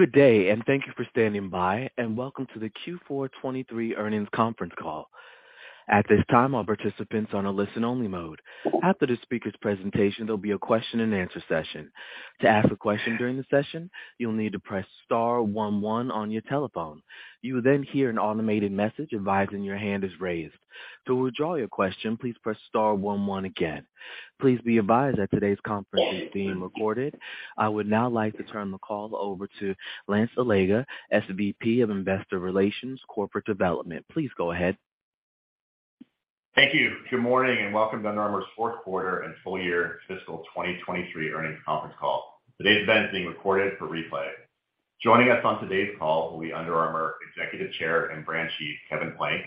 Good day. Thank you for standing by. Welcome to the Q4 2023 earnings conference call. At this time, all participants are on a listen-only mode. After the speaker's presentation, there'll be a question-and-answer session. To ask a question during the session, you'll need to press star one one on your telephone. You will then hear an automated message advising your hand is raised. To withdraw your question, please press star one one again. Please be advised that today's conference is being recorded. I would now like to turn the call over to Lance Allega, SVP of Investor Relations, Corporate Development. Please go ahead. Thank you. Good morning, and welcome to Under Armour's fourth quarter and full-year fiscal 2023 earnings conference call. Today's event is being recorded for replay. Joining us on today's call will be Under Armour Executive Chair and Brand Chief, Kevin Plank;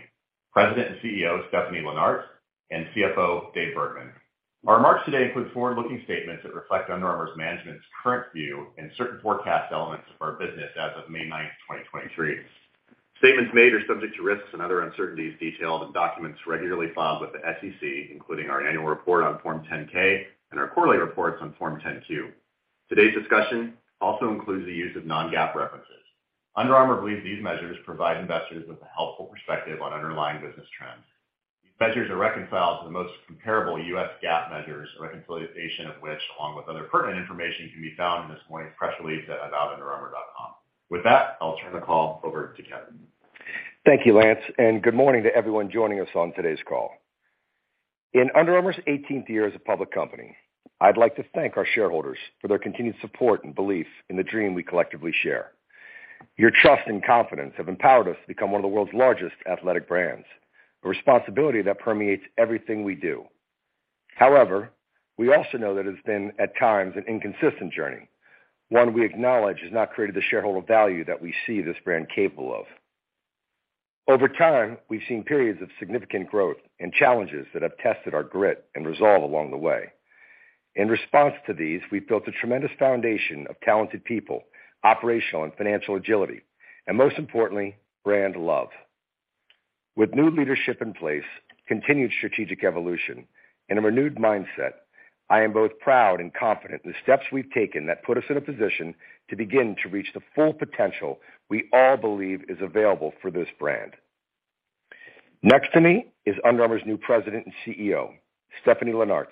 President and CEO, Stephanie Linnartz; and CFO, Dave Bergman. Our remarks today include forward-looking statements that reflect Under Armour's management's current view and certain forecast elements of our business as of May ninth, 2023. Statements made are subject to risks and other uncertainties detailed in documents regularly filed with the SEC, including our annual report on Form 10-K and our quarterly reports on Form 10-Q. Today's discussion also includes the use of non-GAAP references. Under Armour believes these measures provide investors with a helpful perspective on underlying business trends. These measures are reconciled to the most comparable U.S. GAAP measures, a reconciliation of which, along with other pertinent information, can be found in this morning's press release at aboutunderarmour.com. With that, I'll turn the call over to Kevin. Thank you, Lance, and good morning to everyone joining us on today's call. In Under Armour's 18th year as a public company, I'd like to thank our shareholders for their continued support and belief in the dream we collectively share. Your trust and confidence have empowered us to become one of the world's largest athletic brands, a responsibility that permeates everything we do. However, we also know that it's been, at times, an inconsistent journey, one we acknowledge has not created the shareholder value that we see this brand capable of. Over time, we've seen periods of significant growth and challenges that have tested our grit and resolve along the way. In response to these, we've built a tremendous foundation of talented people, operational and financial agility, and most importantly, brand love. With new leadership in place, continued strategic evolution, and a renewed mindset, I am both proud and confident in the steps we've taken that put us in a position to begin to reach the full potential we all believe is available for this brand. Next to me is Under Armour's new President and CEO, Stephanie Linnartz.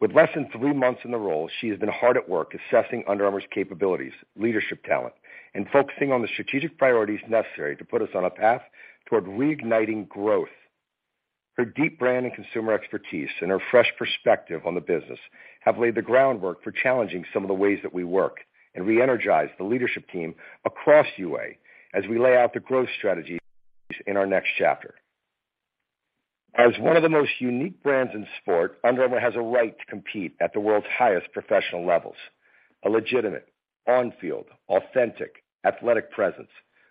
With less than three months in the role, she has been hard at work assessing Under Armour's capabilities, leadership talent, and focusing on the strategic priorities necessary to put us on a path toward reigniting growth. Her deep brand and consumer expertise and her fresh perspective on the business have laid the groundwork for challenging some of the ways that we work and re-energized the leadership team across UA as we lay out the growth strategies in our next chapter. As one of the most unique brands in sport, Under Armour has a right to compete at the world's highest professional levels. A legitimate, on-field, authentic, athletic presence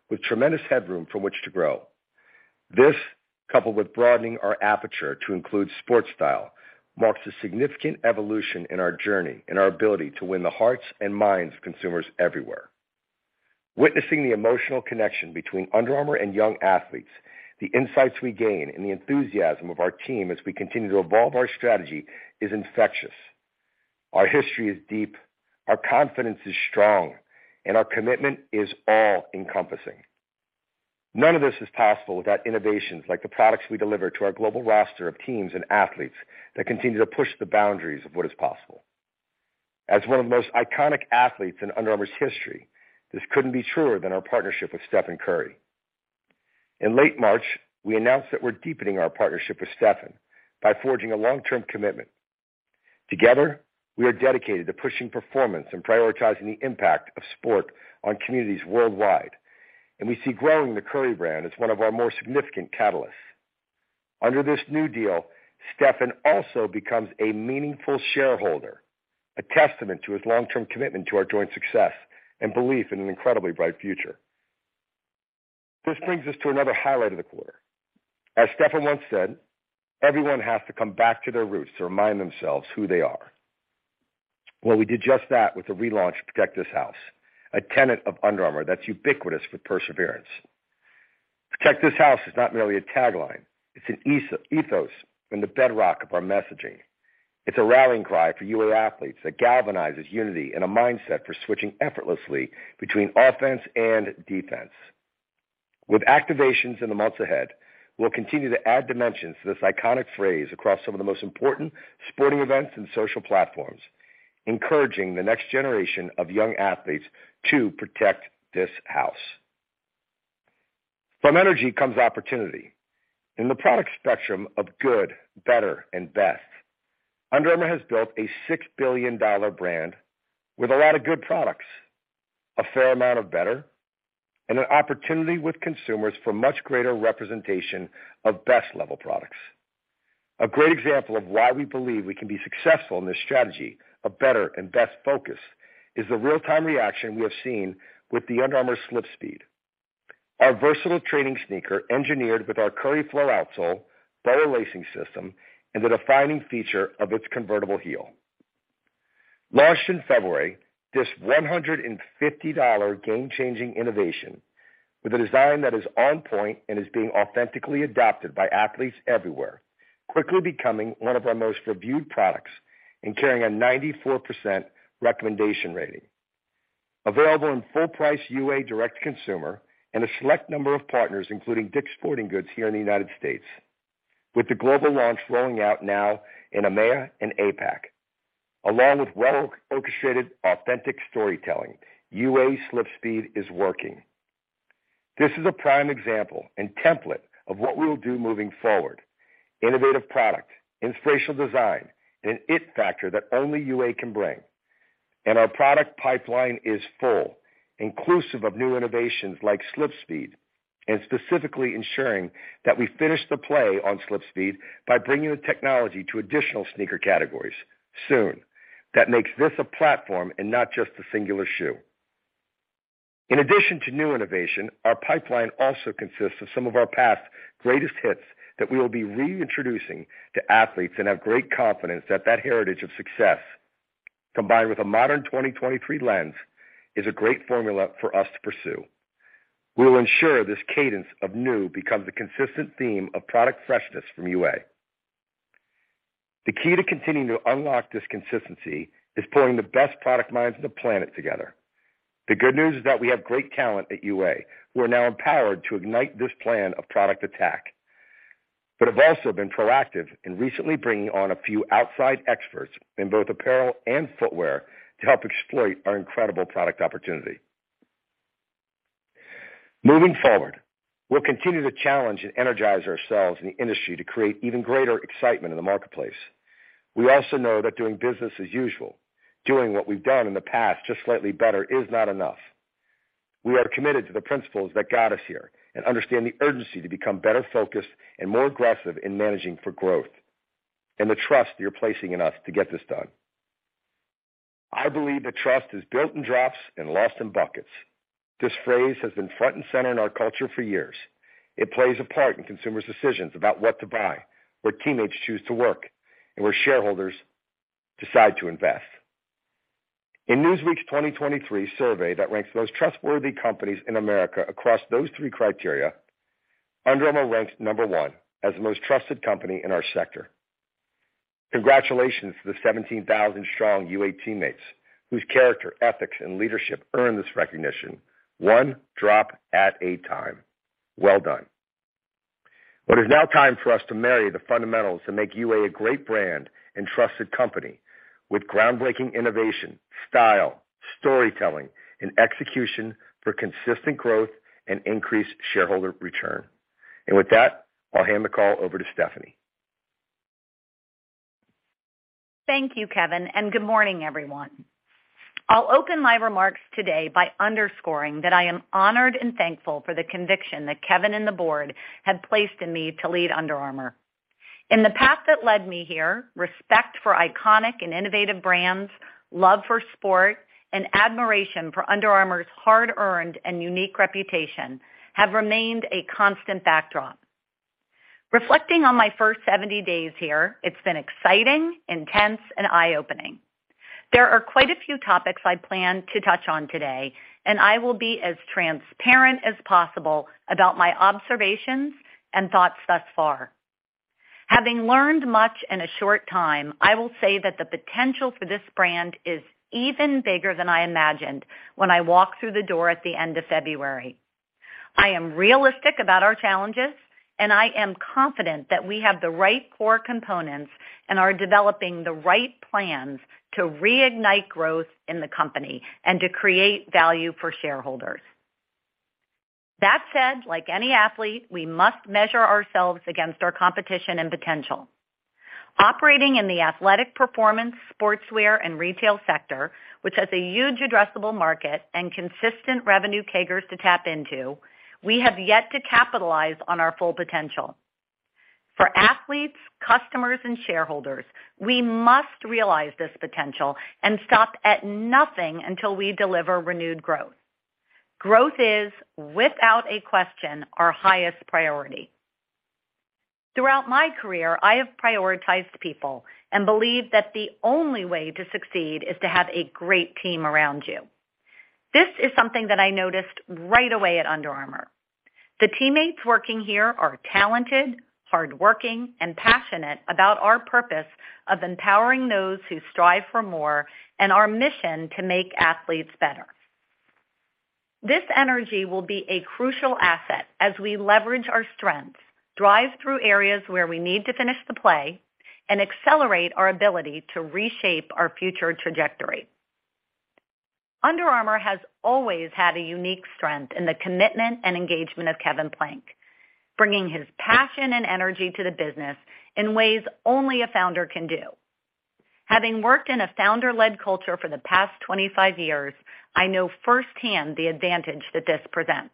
with tremendous headroom from which to grow. This, coupled with broadening our aperture to include sports style, marks a significant evolution in our journey and our ability to win the hearts and minds of consumers everywhere. Witnessing the emotional connection between Under Armour and young athletes, the insights we gain, and the enthusiasm of our team as we continue to evolve our strategy is infectious. Our history is deep, our confidence is strong, and our commitment is all-encompassing. None of this is possible without innovations like the products we deliver to our global roster of teams and athletes that continue to push the boundaries of what is possible. As one of the most iconic athletes in Under Armour's history, this couldn't be truer than our partnership with Stephen Curry. In late March, we announced that we're deepening our partnership with Stephen by forging a long-term commitment. Together, we are dedicated to pushing performance and prioritizing the impact of sport on communities worldwide, and we see growing the Curry Brand as one of our more significant catalysts. Under this new deal, Stephen also becomes a meaningful shareholder, a testament to his long-term commitment to our joint success and belief in an incredibly bright future. This brings us to another highlight of the quarter. As Stephen once said, everyone has to come back to their roots to remind themselves who they are. Well, we did just that with the relaunch of Protect This House, a tenet of Under Armour that's ubiquitous with perseverance. Protect This House is not merely a tagline, it's an ethos and the bedrock of our messaging. It's a rallying cry for UA athletes that galvanizes unity and a mindset for switching effortlessly between offense and defense. With activations in the months ahead, we'll continue to add dimensions to this iconic phrase across some of the most important sporting events and social platforms, encouraging the next generation of young athletes to protect this house. From energy comes opportunity. In the product spectrum of good, better, and best, Under Armour has built a $6 billion brand with a lot of good products, a fair amount of better, and an opportunity with consumers for much greater representation of best level products. A great example of why we believe we can be successful in this strategy of better and best focus is the real-time reaction we have seen with the Under Armour SlipSpeed, our versatile training sneaker engineered with our Curry Flow outsole, BOA lacing system, and the defining feature of its convertible heel. Launched in February, this $150 game-changing innovation. With a design that is on point and is being authentically adopted by athletes everywhere, quickly becoming one of our most reviewed products and carrying a 94% recommendation rating. Available in full price UA direct-to-consumer and a select number of partners, including DSG here in the United States, with the global launch rolling out now in EMEA and APAC, along with well-orchestrated authentic storytelling, UA SlipSpeed is working. This is a prime example and template of what we will do moving forward. Innovative product, inspirational design, an it factor that only UA can bring. Our product pipeline is full, inclusive of new innovations like SlipSpeed, and specifically ensuring that we finish the play on SlipSpeed by bringing the technology to additional sneaker categories soon. That makes this a platform and not just a singular shoe. In addition to new innovation, our pipeline also consists of some of our past greatest hits that we will be reintroducing to athletes and have great confidence that that heritage of success, combined with a modern 2023 lens, is a great formula for us to pursue. We will ensure this cadence of new becomes the consistent theme of product freshness from UA. The key to continuing to unlock this consistency is pulling the best product minds on the planet together. The good news is that we have great talent at UA who are now empowered to ignite this plan of product attack, have also been proactive in recently bringing on a few outside experts in both apparel and footwear to help exploit our incredible product opportunity. Moving forward, we'll continue to challenge and energize ourselves and the industry to create even greater excitement in the marketplace. We also know that doing business as usual, doing what we've done in the past, just slightly better, is not enough. We are committed to the principles that got us here and understand the urgency to become better focused and more aggressive in managing for growth and the trust you're placing in us to get this done. I believe that trust is built in drops and lost in buckets. This phrase has been front and center in our culture for years. It plays a part in consumers' decisions about what to buy, where teammates choose to work, and where shareholders decide to invest. In Newsweek's 2023 survey that ranks the most trustworthy companies in America across those three criteria, Under Armour ranked number one as the most trusted company in our sector. Congratulations to the 17,000 strong UA teammates whose character, ethics, and leadership earned this recognition one drop at a time. Well done. It is now time for us to marry the fundamentals that make UA a great brand and trusted company with groundbreaking innovation, style, storytelling, and execution for consistent growth and increased shareholder return. With that, I'll hand the call over to Stephanie. Thank you, Kevin. Good morning, everyone. I'll open my remarks today by underscoring that I am honored and thankful for the conviction that Kevin and the board have placed in me to lead Under Armour. In the path that led me here, respect for iconic and innovative brands, love for sport, and admiration for Under Armour's hard-earned and unique reputation have remained a constant backdrop. Reflecting on my first 70 days here, it's been exciting, intense, and eye-opening. There are quite a few topics I plan to touch on today. I will be as transparent as possible about my observations and thoughts thus far. Having learned much in a short time, I will say that the potential for this brand is even bigger than I imagined when I walked through the door at the end of February. I am realistic about our challenges. I am confident that we have the right core components and are developing the right plans to reignite growth in the company and to create value for shareholders. That said, like any athlete, we must measure ourselves against our competition and potential. Operating in the athletic performance, sportswear, and retail sector, which has a huge addressable market and consistent revenue CAGRs to tap into, we have yet to capitalize on our full potential. For athletes, customers, and shareholders, we must realize this potential and stop at nothing until we deliver renewed growth. Growth is, without a question, our highest priority. Throughout my career, I have prioritized people and believe that the only way to succeed is to have a great team around you. This is something that I noticed right away at Under Armour. The teammates working here are talented, hardworking, and passionate about our purpose of empowering those who strive for more and our mission to make athletes better. This energy will be a crucial asset as we leverage our strengths, drive through areas where we need to finish the play, and accelerate our ability to reshape our future trajectory. Under Armour has always had a unique strength in the commitment and engagement of Kevin Plank, bringing his passion and energy to the business in ways only a founder can do. Having worked in a founder-led culture for the past 25 years, I know firsthand the advantage that this presents.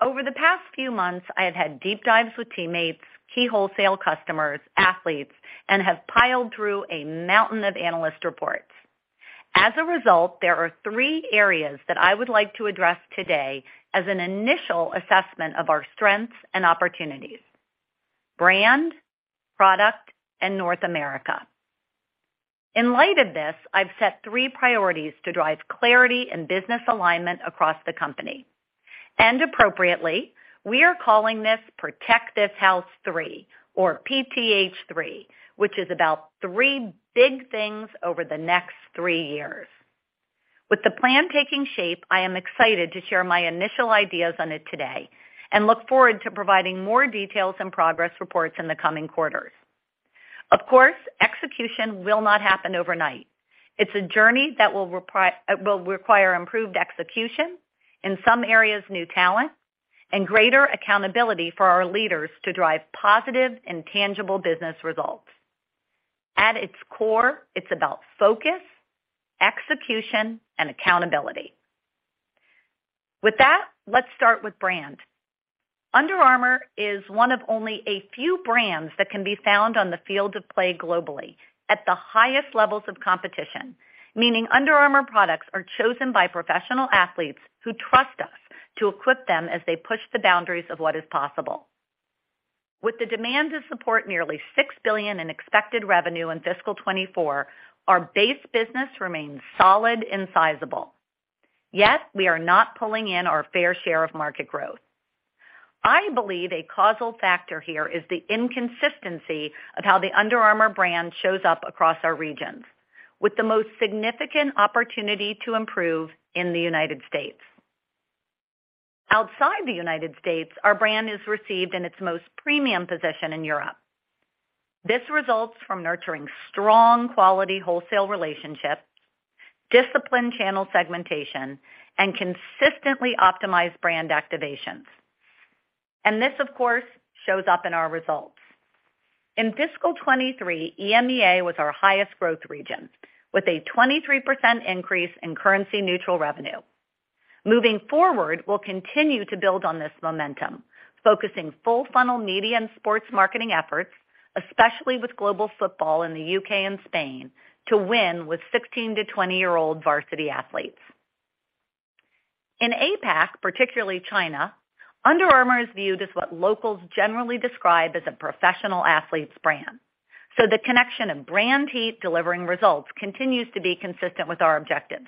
Over the past few months, I have had deep dives with teammates, key wholesale customers, athletes, and have piled through a mountain of analyst reports. As a result, there are three areas that I would like to address today as an initial assessment of our strengths and opportunities: brand, product, and North America. In light of this, I've set three priorities to drive clarity and business alignment across the company. Appropriately, we are calling this Protect This House 3 or PTH3, which is about three big things over the next three years. With the plan taking shape, I am excited to share my initial ideas on it today and look forward to providing more details and progress reports in the coming quarters. Of course, execution will not happen overnight. It's a journey that will require improved execution, in some areas new talent, and greater accountability for our leaders to drive positive and tangible business results. At its core, it's about focus, execution, and accountability. With that, let's start with brand. Under Armour is one of only a few brands that can be found on the field of play globally at the highest levels of competition, meaning Under Armour products are chosen by professional athletes who trust us to equip them as they push the boundaries of what is possible. With the demand to support nearly $6 billion in expected revenue in fiscal 2024, our base business remains solid and sizable. Yet we are not pulling in our fair share of market growth. I believe a causal factor here is the inconsistency of how the Under Armour brand shows up across our regions with the most significant opportunity to improve in the United States. Outside the United States, our brand is received in its most premium position in Europe. This results from nurturing strong quality wholesale relationships, disciplined channel segmentation, and consistently optimized brand activations. This, of course, shows up in our results. In fiscal 2023, EMEA was our highest growth region with a 23% increase in currency-neutral revenue. Moving forward, we'll continue to build on this momentum, focusing full-funnel media and sports marketing efforts, especially with global football in the U.K. and Spain, to win with 16-20-year-old varsity athletes. In APAC, particularly China, Under Armour is viewed as what locals generally describe as a professional athletes brand. The connection of brand heat delivering results continues to be consistent with our objectives.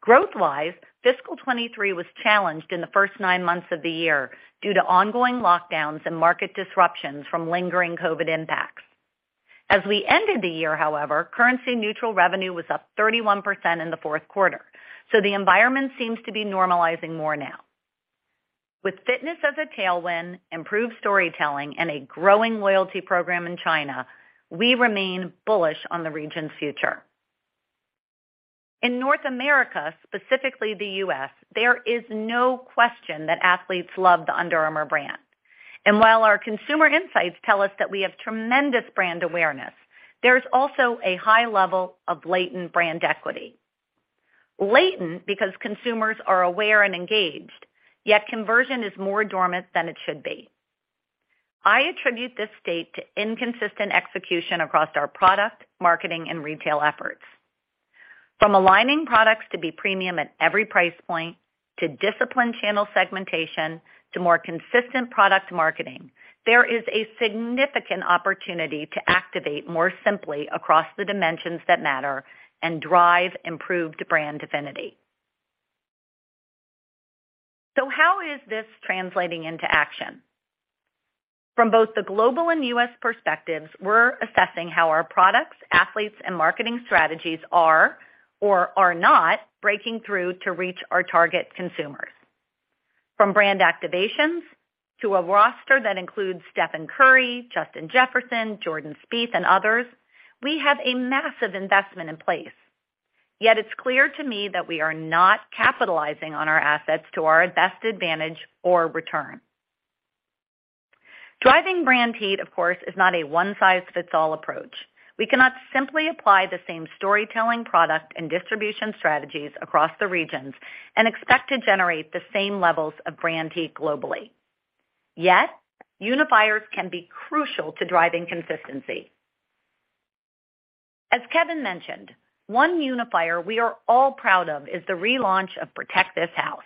Growth-wise, fiscal 2023 was challenged in the first nine months of the year due to ongoing lockdowns and market disruptions from lingering Covid impacts. As we ended the year, however, currency-neutral revenue was up 31% in the fourth quarter, the environment seems to be normalizing more now. With fitness as a tailwind, improved storytelling, and a growing loyalty program in China, we remain bullish on the region's future. In North America, specifically the U.S., there is no question that athletes love the Under Armour brand. While our consumer insights tell us that we have tremendous brand awareness, there's also a high level of latent brand equity. Latent because consumers are aware and engaged, yet conversion is more dormant than it should be. I attribute this state to inconsistent execution across our product, marketing and retail efforts. From aligning products to be premium at every price point to disciplined channel segmentation to more consistent product marketing, there is a significant opportunity to activate more simply across the dimensions that matter and drive improved brand affinity. How is this translating into action? From both the global and U.S. perspectives, we're assessing how our products, athletes, and marketing strategies are or are not breaking through to reach our target consumers. From brand activations to a roster that includes Stephen Curry, Justin Jefferson, Jordan Spieth, and others, we have a massive investment in place. Yet it's clear to me that we are not capitalizing on our assets to our best advantage or return. Driving brand heat, of course, is not a one-size-fits-all approach. We cannot simply apply the same storytelling product and distribution strategies across the regions and expect to generate the same levels of brand heat globally. Yet unifiers can be crucial to driving consistency. As Kevin mentioned, one unifier we are all proud of is the relaunch of Protect This House.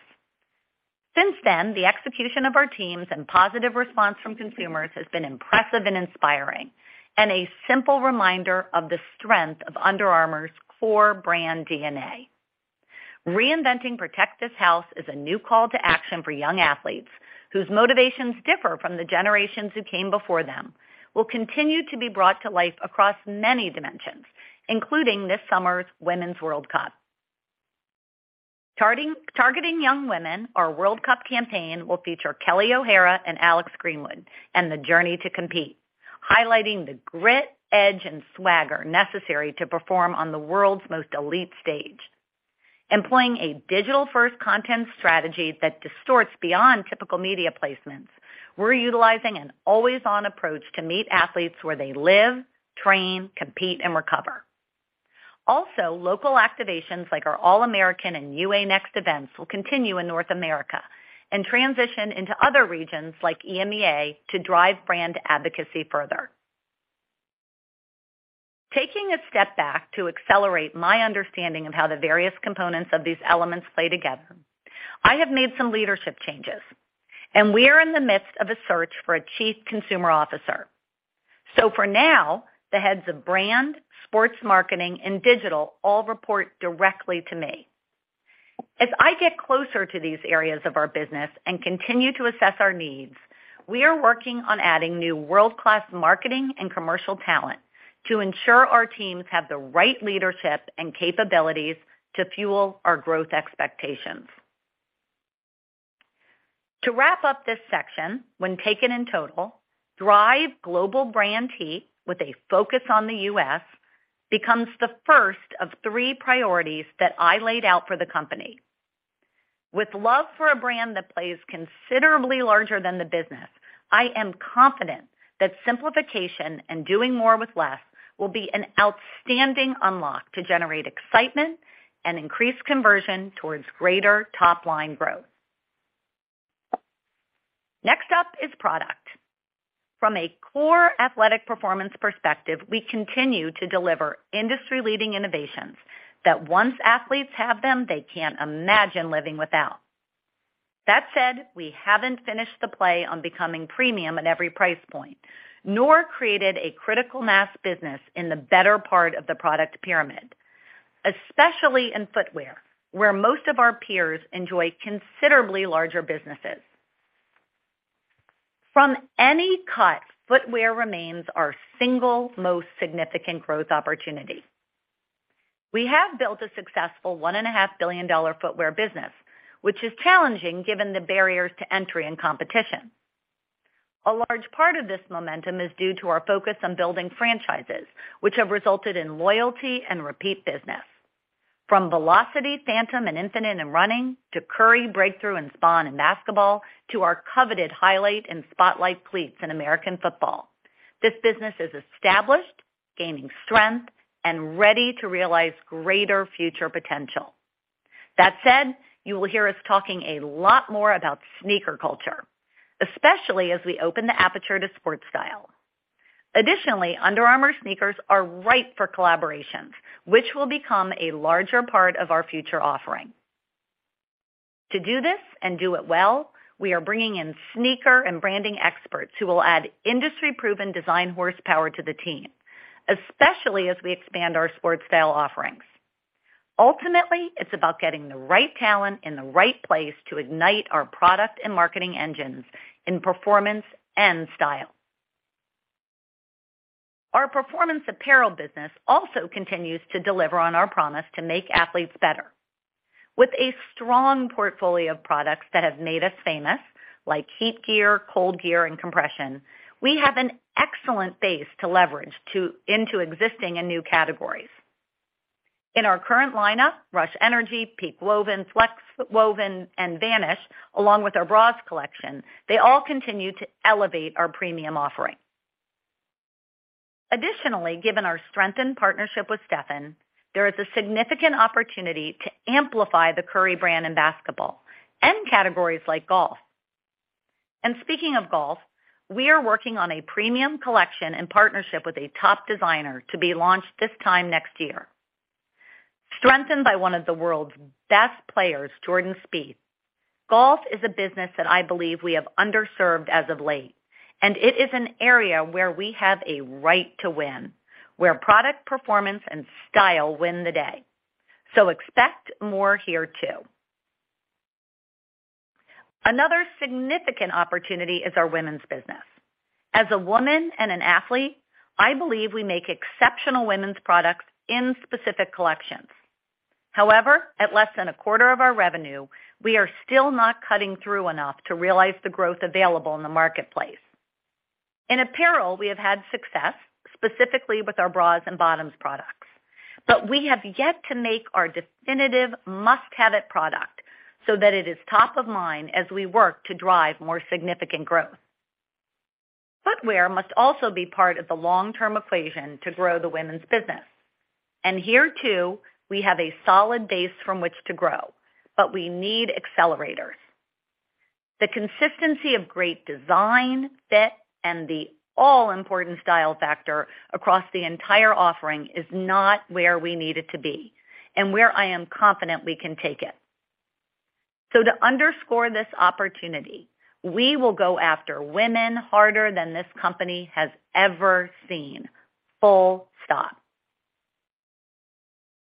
Since then, the execution of our teams and positive response from consumers has been impressive and inspiring, and a simple reminder of the strength of Under Armour's core brand DNA. Reinventing Protect This House is a new call to action for young athletes whose motivations differ from the generations who came before them, will continue to be brought to life across many dimensions, including this summer's Women's World Cup. Targeting young women, our World Cup campaign will feature Kelley O'Hara and Alex Greenwood and the journey to compete, highlighting the grit, edge, and swagger necessary to perform on the world's most elite stage. Employing a digital-first content strategy that distorts beyond typical media placements, we're utilizing an always-on approach to meet athletes where they live, train, compete, and recover. Local activations like our All-America and UA Next events will continue in North America and transition into other regions like EMEA to drive brand advocacy further. Taking a step back to accelerate my understanding of how the various components of these elements play together. I have made some leadership changes, and we are in the midst of a search for a chief consumer officer. For now, the heads of brand, sports marketing, and digital all report directly to me. As I get closer to these areas of our business and continue to assess our needs, we are working on adding new world-class marketing and commercial talent to ensure our teams have the right leadership and capabilities to fuel our growth expectations. To wrap up this section, when taken in total, drive global brand heat with a focus on the U.S. becomes the first of three priorities that I laid out for the company. With love for a brand that plays considerably larger than the business, I am confident that simplification and doing more with less will be an outstanding unlock to generate excitement and increase conversion towards greater top-line growth. Next up is product. From a core athletic performance perspective, we continue to deliver industry-leading innovations that once athletes have them, they can't imagine living without. That said, we haven't finished the play on becoming premium at every price point, nor created a critical mass business in the better part of the product pyramid, especially in footwear, where most of our peers enjoy considerably larger businesses. From any cut, footwear remains our single most significant growth opportunity. We have built a successful $1.5 billion footwear business, which is challenging given the barriers to entry and competition. A large part of this momentum is due to our focus on building franchises which have resulted in loyalty and repeat business. From Velociti, Phantom, and Infinite in running to Curry, Breakthru, and Spawn in basketball to our coveted Highlight and Spotlight cleats in American football, this business is established, gaining strength, and ready to realize greater future potential. That said, you will hear us talking a lot more about sneaker culture, especially as we open the aperture to sports style. Additionally, Under Armour sneakers are ripe for collaborations, which will become a larger part of our future offering. To do this and do it well, we are bringing in sneaker and branding experts who will add industry-proven design horsepower to the team, especially as we expand our sports style offerings. Ultimately, it's about getting the right talent in the right place to ignite our product and marketing engines in performance and style. Our performance apparel business also continues to deliver on our promise to make athletes better. With a strong portfolio of products that have made us famous, like HeatGear, ColdGear, and Compression, we have an excellent base to leverage into existing and new categories. In our current lineup, RUSH Energy, Peak Woven, Flex Woven, and Vanish, along with our bras collection, they all continue to elevate our premium offering. Additionally, given our strengthened partnership with Stephen, there is a significant opportunity to amplify the Curry Brand in basketball and categories like golf. Speaking of golf, we are working on a premium collection in partnership with a top designer to be launched this time next year. Strengthened by one of the world's best players, Jordan Spieth, Golf is a business that I believe we have underserved as of late. It is an area where we have a right to win, where product performance and style win the day. Expect more here, too. Another significant opportunity is our women's business. As a woman and an athlete, I believe we make exceptional women's products in specific collections. However, at less than a quarter of our revenue, we are still not cutting through enough to realize the growth available in the marketplace. In apparel, we have had success, specifically with our bras and bottoms products. We have yet to make our definitive must-have-it product so that it is top of mind as we work to drive more significant growth. Footwear must also be part of the long-term equation to grow the women's business. Here, too, we have a solid base from which to grow, but we need accelerators. The consistency of great design, fit, and the all-important style factor across the entire offering is not where we need it to be and where I am confident we can take it. To underscore this opportunity, we will go after women harder than this company has ever seen. Full stop.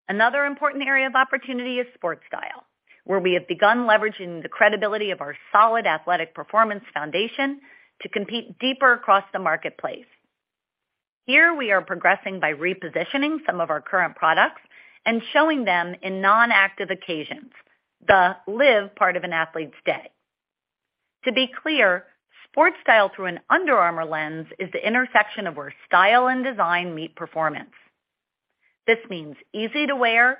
Another important area of opportunity is sports style, where we have begun leveraging the credibility of our solid athletic performance foundation to compete deeper across the marketplace. Here we are progressing by repositioning some of our current products and showing them in non-active occasions, the live part of an athlete's day. To be clear, sports style through an Under Armour lens is the intersection of where style and design meet performance. This means easy-to-wear,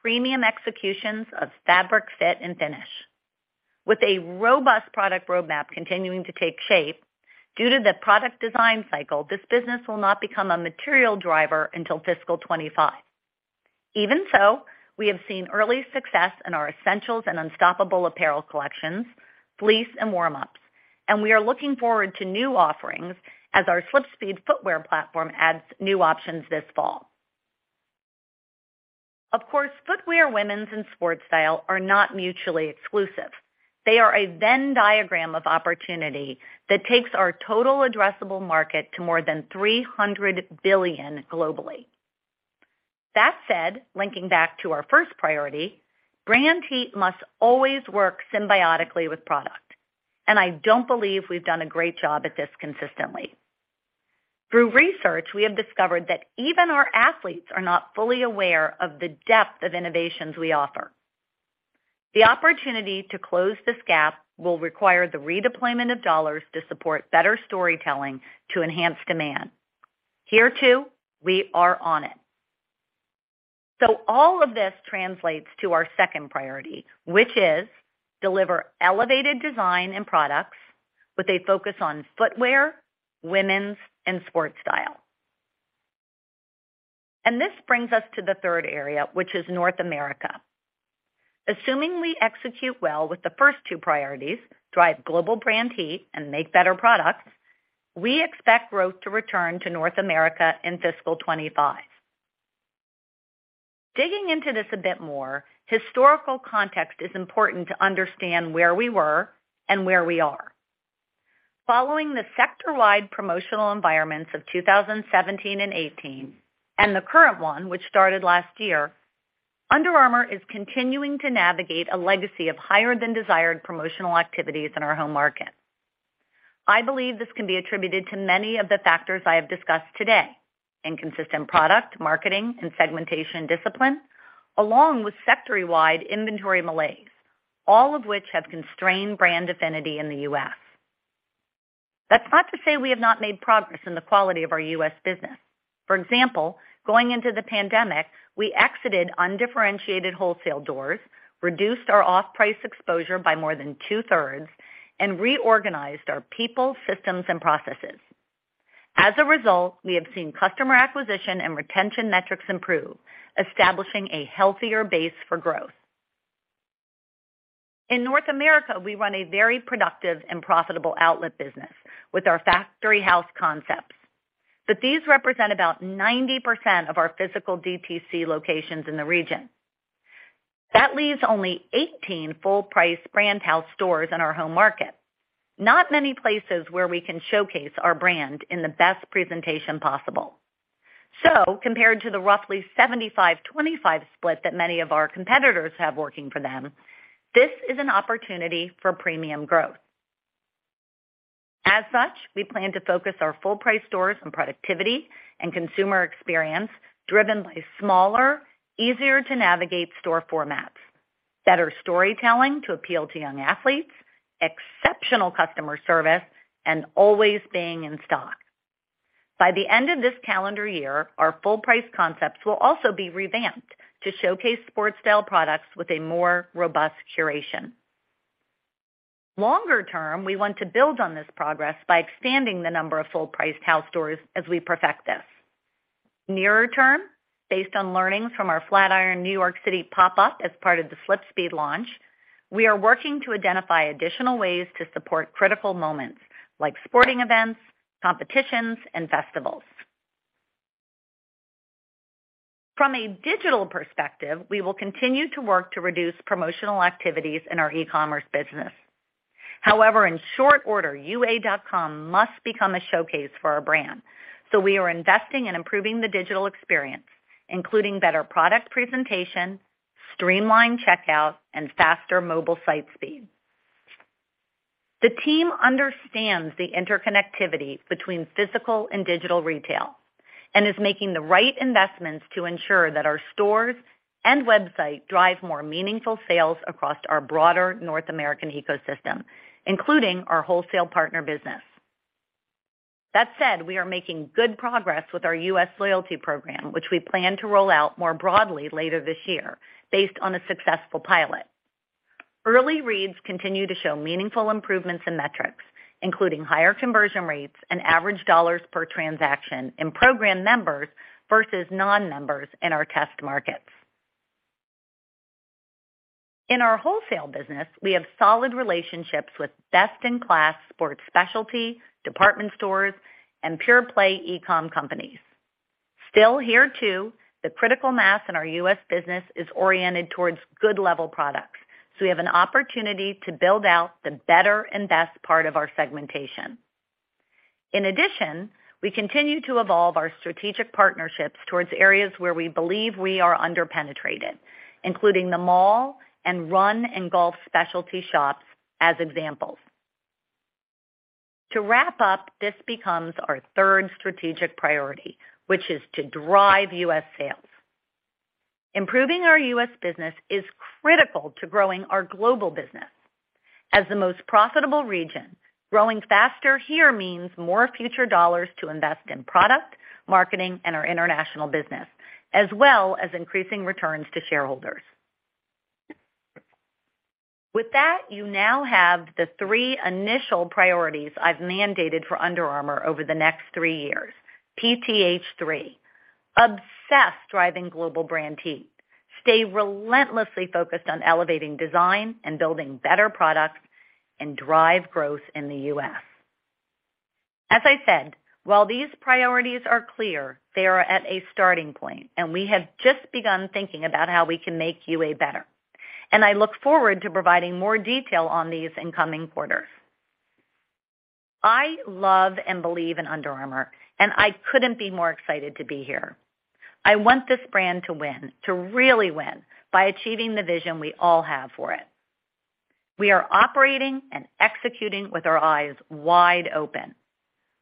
premium executions of fabric fit and finish. With a robust product roadmap continuing to take shape, due to the product design cycle, this business will not become a material driver until fiscal 2025. Even so, we have seen early success in our Essentials and Unstoppable apparel collections, fleece and warm-ups, and we are looking forward to new offerings as our SlipSpeed footwear platform adds new options this fall. Footwear, women's and sports style are not mutually exclusive. They are a Venn diagram of opportunity that takes our total addressable market to more than $300 billion globally. Linking back to our first priority, brand heat must always work symbiotically with product, and I don't believe we've done a great job at this consistently. Through research, we have discovered that even our athletes are not fully aware of the depth of innovations we offer. The opportunity to close this gap will require the redeployment of dollars to support better storytelling to enhance demand. Here too, we are on it. All of this translates to our second priority, which is deliver elevated design and products with a focus on footwear, women's and sports style. This brings us to the third area, which is North America. Assuming we execute well with the first two priorities, drive global brand heat and make better products, we expect growth to return to North America in fiscal 2025. Digging into this a bit more, historical context is important to understand where we were and where we are. Following the sector-wide promotional environments of 2017 and 18 and the current one, which started last year, Under Armour is continuing to navigate a legacy of higher than desired promotional activities in our home market. I believe this can be attributed to many of the factors I have discussed today. Inconsistent product, marketing and segmentation discipline, along with sector-wide inventory malaise, all of which have constrained brand affinity in the U.S. That's not to say we have not made progress in the quality of our U.S. business. For example, going into the pandemic, we exited undifferentiated wholesale doors, reduced our off-price exposure by more than two-thirds, and reorganized our people, systems, and processes. As a result, we have seen customer acquisition and retention metrics improve, establishing a healthier base for growth. In North America, we run a very productive and profitable outlet business with our Factory House concepts, but these represent about 90% of our physical DTC locations in the region. That leaves only 18 full-price Brand House stores in our home market. Not many places where we can showcase our brand in the best presentation possible. Compared to the roughly 75-25 split that many of our competitors have working for them, this is an opportunity for premium growth. As such, we plan to focus our full-price stores on productivity and consumer experience driven by smaller, easier to navigate store formats, better storytelling to appeal to young athletes, exceptional customer service, and always being in stock. By the end of this calendar year, our full-price concepts will also be revamped to showcase sports style products with a more robust curation. Longer-term, we want to build on this progress by expanding the number of full-price Brand House stores as we perfect this. Nearer term, based on learnings from our Flatiron New York City pop-up as part of the SlipSpeed launch, we are working to identify additional ways to support critical moments like sporting events, competitions, and festivals. From a digital perspective, we will continue to work to reduce promotional activities in our e-commerce business. However, in short order, UA.com must become a showcase for our brand, so we are investing in improving the digital experience, including better product presentation, streamlined checkout, and faster mobile site speed. The team understands the interconnectivity between physical and digital retail and is making the right investments to ensure that our stores and website drive more meaningful sales across our broader North American ecosystem, including our wholesale partner business. That said, we are making good progress with our U.S. loyalty program, which we plan to roll out more broadly later this year based on a successful pilot. Early reads continue to show meaningful improvements in metrics, including higher conversion rates and average dollars per transaction in program members versus non-members in our test markets. In our wholesale business, we have solid relationships with best-in-class sports specialty, department stores, and pure-play e-com companies. Still here, too, the critical mass in our U.S. business is oriented towards good level products, so we have an opportunity to build out the better and best part of our segmentation. In addition, we continue to evolve our strategic partnerships towards areas where we believe we are under-penetrated, including the mall and run and golf specialty shops as examples. To wrap up, this becomes our 3rd strategic priority, which is to drive U.S. sales. Improving our U.S. business is critical to growing our global business. As the most profitable region, growing faster here means more future dollars to invest in product, marketing and our international business, as well as increasing returns to shareholders. With that, you now have the three initial priorities I've mandated for Under Armour over the next three years. PTH3. Obsess driving global brand heat. Stay relentlessly focused on elevating design and building better products. Drive growth in the U.S. As I said, while these priorities are clear, they are at a starting point, and we have just begun thinking about how we can make UA better. I look forward to providing more detail on these in coming quarters. I love and believe in Under Armour, I couldn't be more excited to be here. I want this brand to win, to really win by achieving the vision we all have for it. We are operating and executing with our eyes wide open.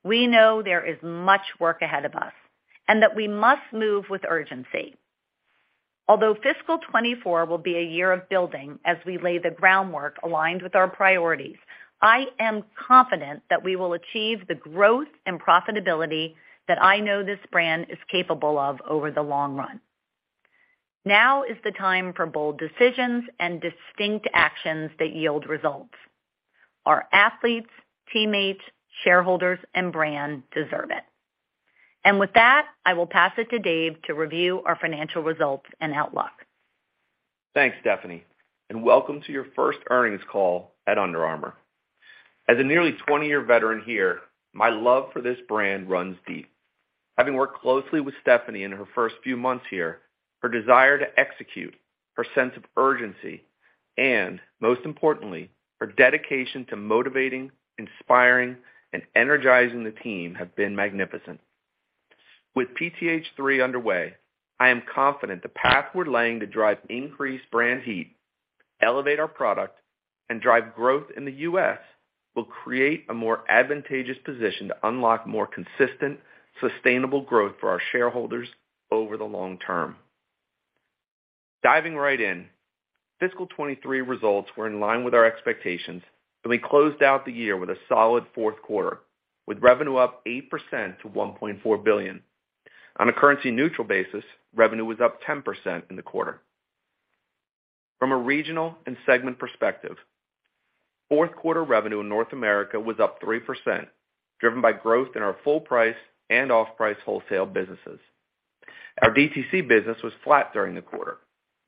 We know there is much work ahead of us, that we must move with urgency. Although fiscal 2024 will be a year of building as we lay the groundwork aligned with our priorities, I am confident that we will achieve the growth and profitability that I know this brand is capable of over the long run. Now is the time for bold decisions and distinct actions that yield results. Our athletes, teammates, shareholders, and brand deserve it. With that, I will pass it to Dave to review our financial results and outlook. Thanks, Stephanie, welcome to your first earnings call at Under Armour. As a nearly 20-year veteran here, my love for this brand runs deep. Having worked closely with Stephanie in her first few months here, her desire to execute, her sense of urgency, and most importantly, her dedication to motivating, inspiring, and energizing the team have been magnificent. With PTH 3 underway, I am confident the path we're laying to drive increased brand heat, elevate our product, and drive growth in the U.S. will create a more advantageous position to unlock more consistent, sustainable growth for our shareholders over the long term. Diving right in, fiscal 2023 results were in line with our expectations, and we closed out the year with a solid fourth quarter, with revenue up 8% to $1.4 billion. On a currency-neutral basis, revenue was up 10% in the quarter. From a regional and segment perspective, fourth quarter revenue in North America was up 3%, driven by growth in our full price and off-price wholesale businesses. Our DTC business was flat during the quarter,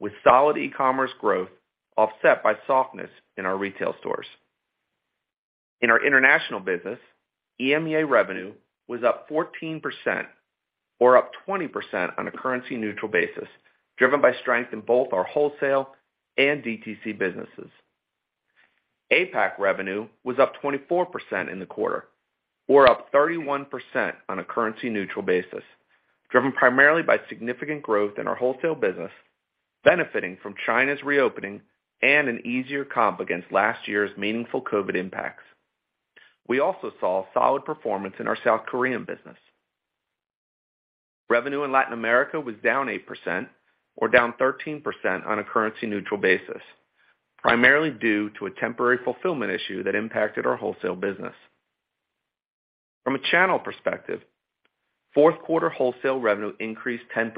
with solid e-commerce growth offset by softness in our retail stores. In our international business, EMEA revenue was up 14% or up 20% on a currency-neutral basis, driven by strength in both our wholesale and DTC businesses. APAC revenue was up 24% in the quarter, or up 31% on a currency-neutral basis, driven primarily by significant growth in our wholesale business, benefiting from China's reopening and an easier comp against last year's meaningful COVID impacts. We also saw solid performance in our South Korean business. Revenue in Latin America was down 8% or down 13% on a currency-neutral basis, primarily due to a temporary fulfillment issue that impacted our wholesale business. From a channel perspective, fourth quarter wholesale revenue increased 10%,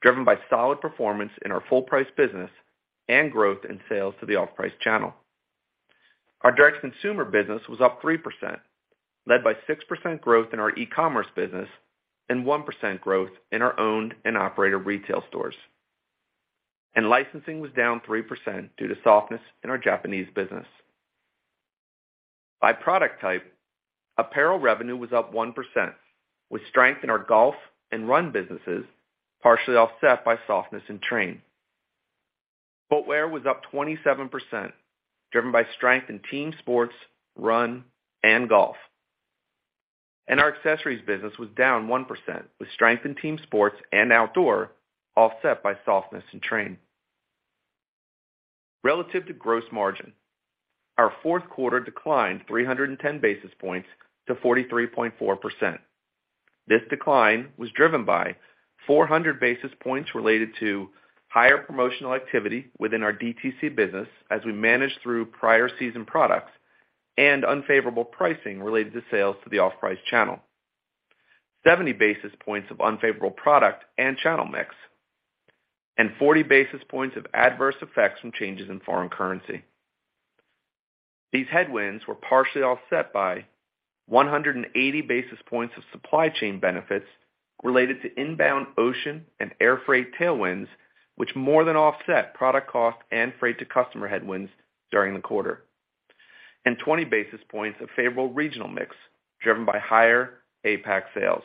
driven by solid performance in our full price business and growth in sales to the off-price channel. Our direct consumer business was up 3%, led by 6% growth in our e-commerce business and 1% growth in our owned and operated retail stores. Licensing was down 3% due to softness in our Japanese business. By product type, apparel revenue was up 1%, with strength in our golf and run businesses, partially offset by softness in train. Footwear was up 27%, driven by strength in team sports, run, and golf. Our accessories business was down 1%, with strength in team sports and outdoor offset by softness in train. Relative to gross margin, our fourth quarter declined 310 basis points to 43.4%. This decline was driven by 400 basis points related to higher promotional activity within our DTC business as we managed through prior season products and unfavorable pricing related to sales to the off-price channel, 70 basis points of unfavorable product and channel mix, and 40 basis points of adverse effects from changes in foreign currency. These headwinds were partially offset by 180 basis points of supply chain benefits related to inbound ocean and air freight tailwinds, which more than offset product cost and freight to customer headwinds during the quarter, and 20 basis points of favorable regional mix driven by higher APAC sales.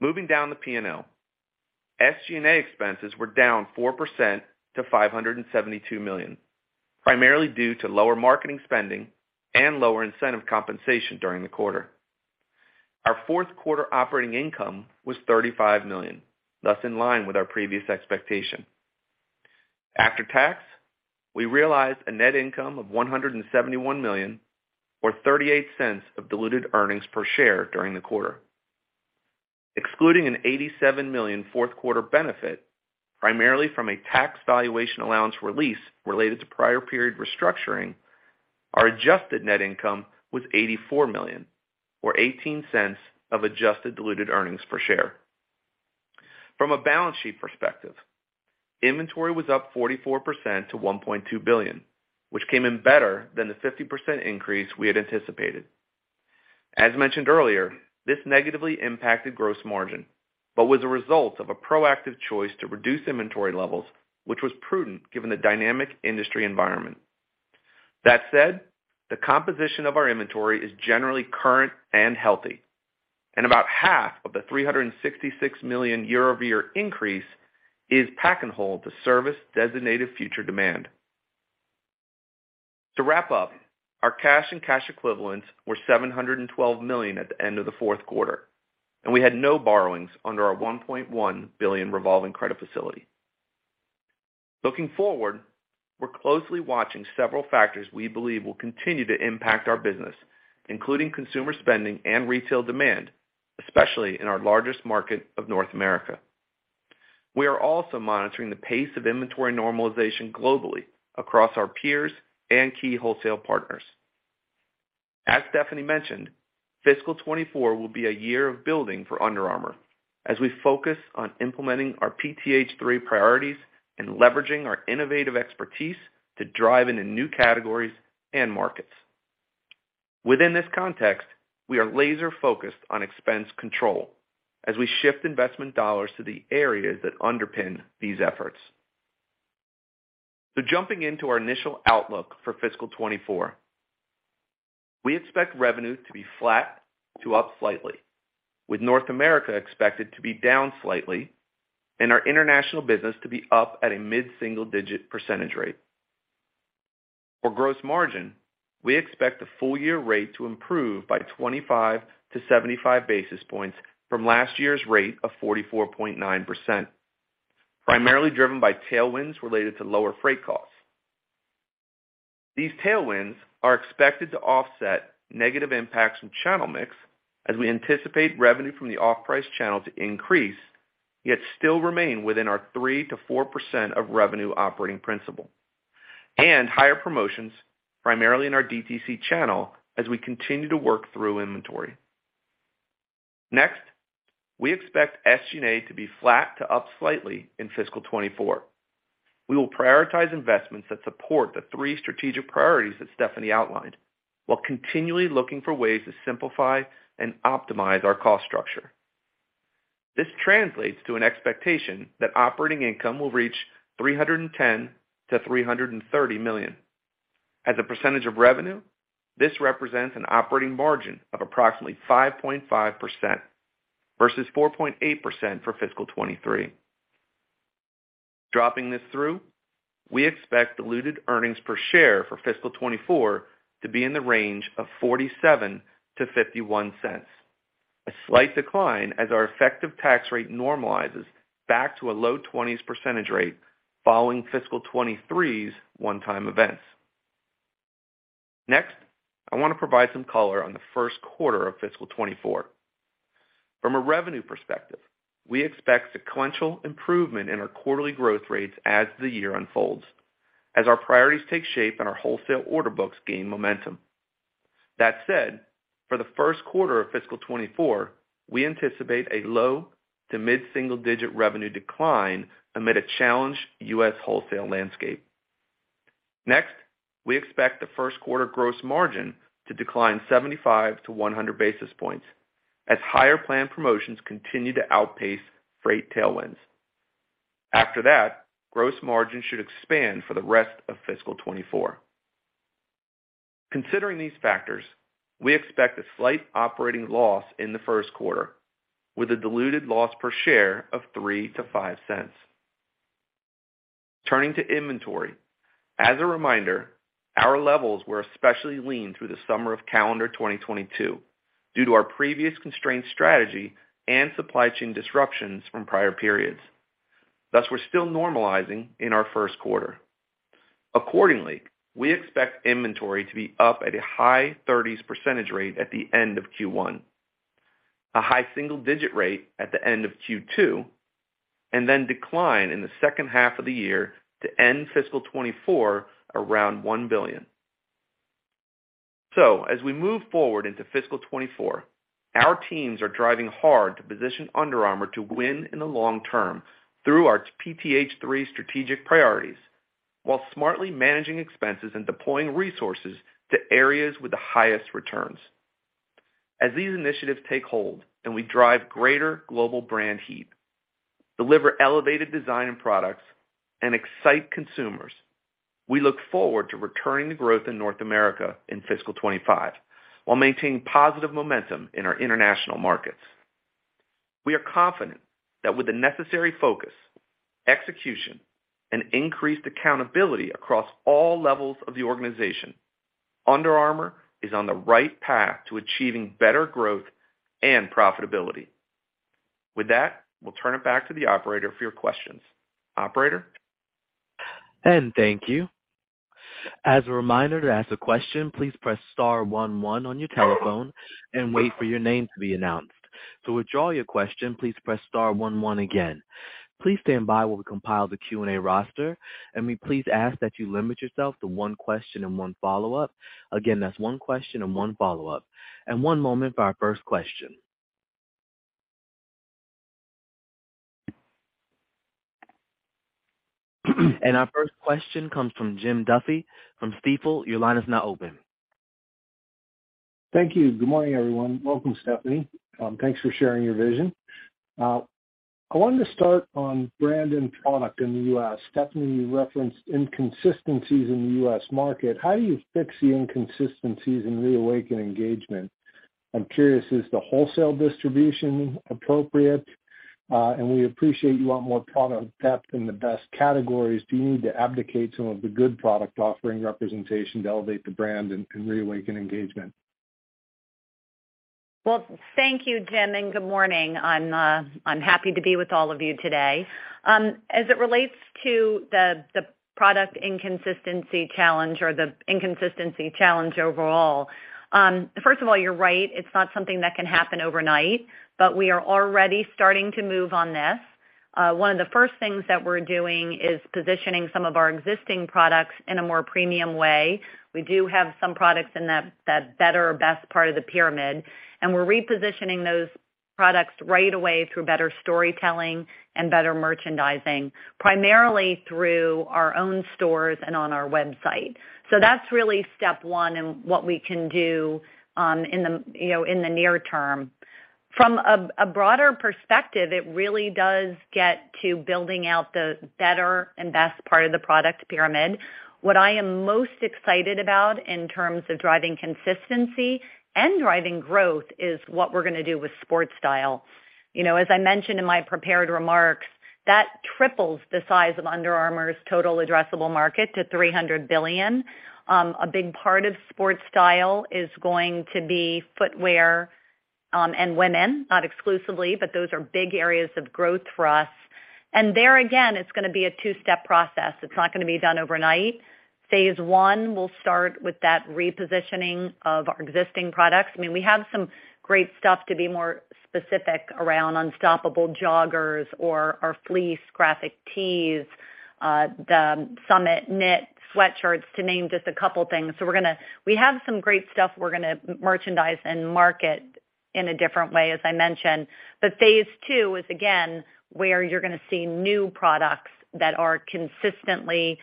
Moving down the P&L, SG&A expenses were down 4% to $572 million, primarily due to lower marketing spending and lower incentive compensation during the quarter. Our fourth quarter operating income was $35 million, thus in line with our previous expectation. After tax, we realized a net income of $171 million or $0.38 of diluted earnings per share during the quarter. Excluding an $87 million fourth quarter benefit, primarily from a tax valuation allowance release related to prior period restructuring, our adjusted net income was $84 million or $0.18 of adjusted diluted earnings per share. From a balance sheet perspective, inventory was up 44% to $1.2 billion, which came in better than the 50% increase we had anticipated. As mentioned earlier, this negatively impacted gross margin, but was a result of a proactive choice to reduce inventory levels, which was prudent given the dynamic industry environment. That said, the composition of our inventory is generally current and healthy, and about half of the $366 million year-over-year increase is pack and hold to service designated future demand. To wrap up, our cash and cash equivalents were $712 million at the end of the fourth quarter, and we had no borrowings under our $1.1 billion revolving credit facility. Looking forward, we're closely watching several factors we believe will continue to impact our business, including consumer spending and retail demand, especially in our largest market of North America. We are also monitoring the pace of inventory normalization globally across our peers and key wholesale partners. As Stephanie mentioned, fiscal 2024 will be a year of building for Under Armour as we focus on implementing our PTH3 priorities and leveraging our innovative expertise to drive into new categories and markets. We are laser-focused on expense control as we shift investment dollars to the areas that underpin these efforts. Jumping into our initial outlook for fiscal 2024. We expect revenue to be flat to up slightly, with North America expected to be down slightly and our international business to be up at a mid-single digit percentage rate. For gross margin, we expect the full year rate to improve by 25-75 basis points from last year's rate of 44.9%, primarily driven by tailwinds related to lower freight costs. These tailwinds are expected to offset negative impacts from channel mix as we anticipate revenue from the off-price channel to increase, yet still remain within our 3%-4% of revenue operating principle. Higher promotions primarily in our DTC channel as we continue to work through inventory. Next, we expect SG&A to be flat to up slightly in fiscal 2024. We will prioritize investments that support the three strategic priorities that Stephanie outlined, while continually looking for ways to simplify and optimize our cost structure. This translates to an expectation that operating income will reach $310 million-$330 million. As a percentage of revenue, this represents an operating margin of approximately 5.5% versus 4.8% for fiscal 2023. Dropping this through, we expect diluted earnings per share for fiscal 2024 to be in the range of $0.47-$0.51, a slight decline as our effective tax rate normalizes back to a low 20s percentage rate following fiscal 2023's one-time events. Next, I wanna provide some color on the first quarter of fiscal 2024. From a revenue perspective, we expect sequential improvement in our quarterly growth rates as the year unfolds, as our priorities take shape and our wholesale order books gain momentum. That said, for the first quarter of fiscal 2024, we anticipate a low to mid-single-digit revenue decline amid a challenged U.S. wholesale landscape. We expect the first quarter gross margin to decline 75-100 basis points as higher planned promotions continue to outpace freight tailwinds. After that, gross margin should expand for the rest of fiscal 2024. Considering these factors, we expect a slight operating loss in the first quarter with a diluted loss per share of $0.03-$0.05. Turning to inventory. As a reminder, our levels were especially lean through the summer of calendar 2022 due to our previous constraint strategy and supply chain disruptions from prior periods. Thus, we're still normalizing in our first quarter. Accordingly, we expect inventory to be up at a high 30s percentage rate at the end of Q1, a high single-digit rate at the end of Q2, and then decline in the second half of the year to end fiscal 2024 around $1 billion. As we move forward into fiscal 2024, our teams are driving hard to position Under Armour to win in the long term through our PTH3 strategic priorities, while smartly managing expenses and deploying resources to areas with the highest returns. As these initiatives take hold and we drive greater global brand heat, deliver elevated design and products, and excite consumers, we look forward to returning the growth in North America in fiscal 2025, while maintaining positive momentum in our international markets. We are confident that with the necessary focus, execution, and increased accountability across all levels of the organization, Under Armour is on the right path to achieving better growth and profitability. With that, we'll turn it back to the operator for your questions. Operator? Thank you. As a reminder to ask a question, please press star one one on your telephone and wait for your name to be announced. To withdraw your question, please press star one one again. Please stand by while we compile the Q&A roster. May I please ask that you limit yourself to one question and one follow-up. Again, that's one question and one follow-up. One moment for our first question. Our first question comes from Jim Duffy from Stifel. Your line is now open. Thank you. Good morning, everyone. Welcome, Stephanie. Thanks for sharing your vision. I wanted to start on brand and product in the U.S. Stephanie, you referenced inconsistencies in the U.S. market. How do you fix the inconsistencies and reawaken engagement? I'm curious, is the wholesale distribution appropriate? We appreciate you want more product depth in the best categories. Do you need to abdicate some of the good product offering representation to elevate the brand and reawaken engagement? Well, thank you, Jim, and good morning. I'm happy to be with all of you today. As it relates to the product inconsistency challenge or the inconsistency challenge overall, first of all, you're right, it's not something that can happen overnight, but we are already starting to move on this. One of the first things that we're doing is positioning some of our existing products in a more premium way. We do have some products in that better or best part of the pyramid, and we're repositioning those products right away through better storytelling and better merchandising, primarily through our own stores and on our website. That's really step one and what we can do, you know, in the near term. From a broader perspective, it really does get to building out the better and best part of the product pyramid. What I am most excited about in terms of driving consistency and driving growth is what we're gonna do with sport style. You know, as I mentioned in my prepared remarks, that triples the size of Under Armour's total addressable market to $300 billion. A big part of sport style is going to be footwear, and women, not exclusively, but those are big areas of growth for us. There again, it's gonna be a two-step process. It's not gonna be done overnight. Phase one will start with that repositioning of our existing products. I mean, we have some great stuff, to be more specific, around Unstoppable Joggers or our fleece graphic tees, the Summit Knit sweatshirts to name just a couple things. We have some great stuff we're gonna merchandise and market in a different way, as I mentioned. Phase two is, again, where you're gonna see new products that are consistently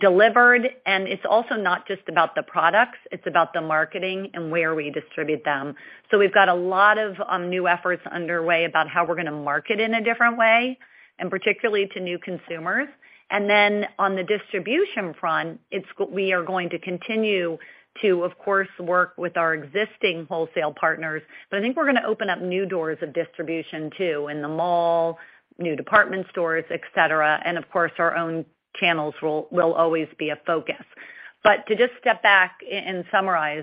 delivered. It's also not just about the products, it's about the marketing and where we distribute them. We've got a lot of new efforts underway about how we're gonna market in a different way, and particularly to new consumers. Then on the distribution front, we are going to continue to, of course, work with our existing wholesale partners. I think we're gonna open up new doors of distribution too, in the mall, new department stores, et cetera. Of course, our own channels will always be a focus. To just step back and summarize,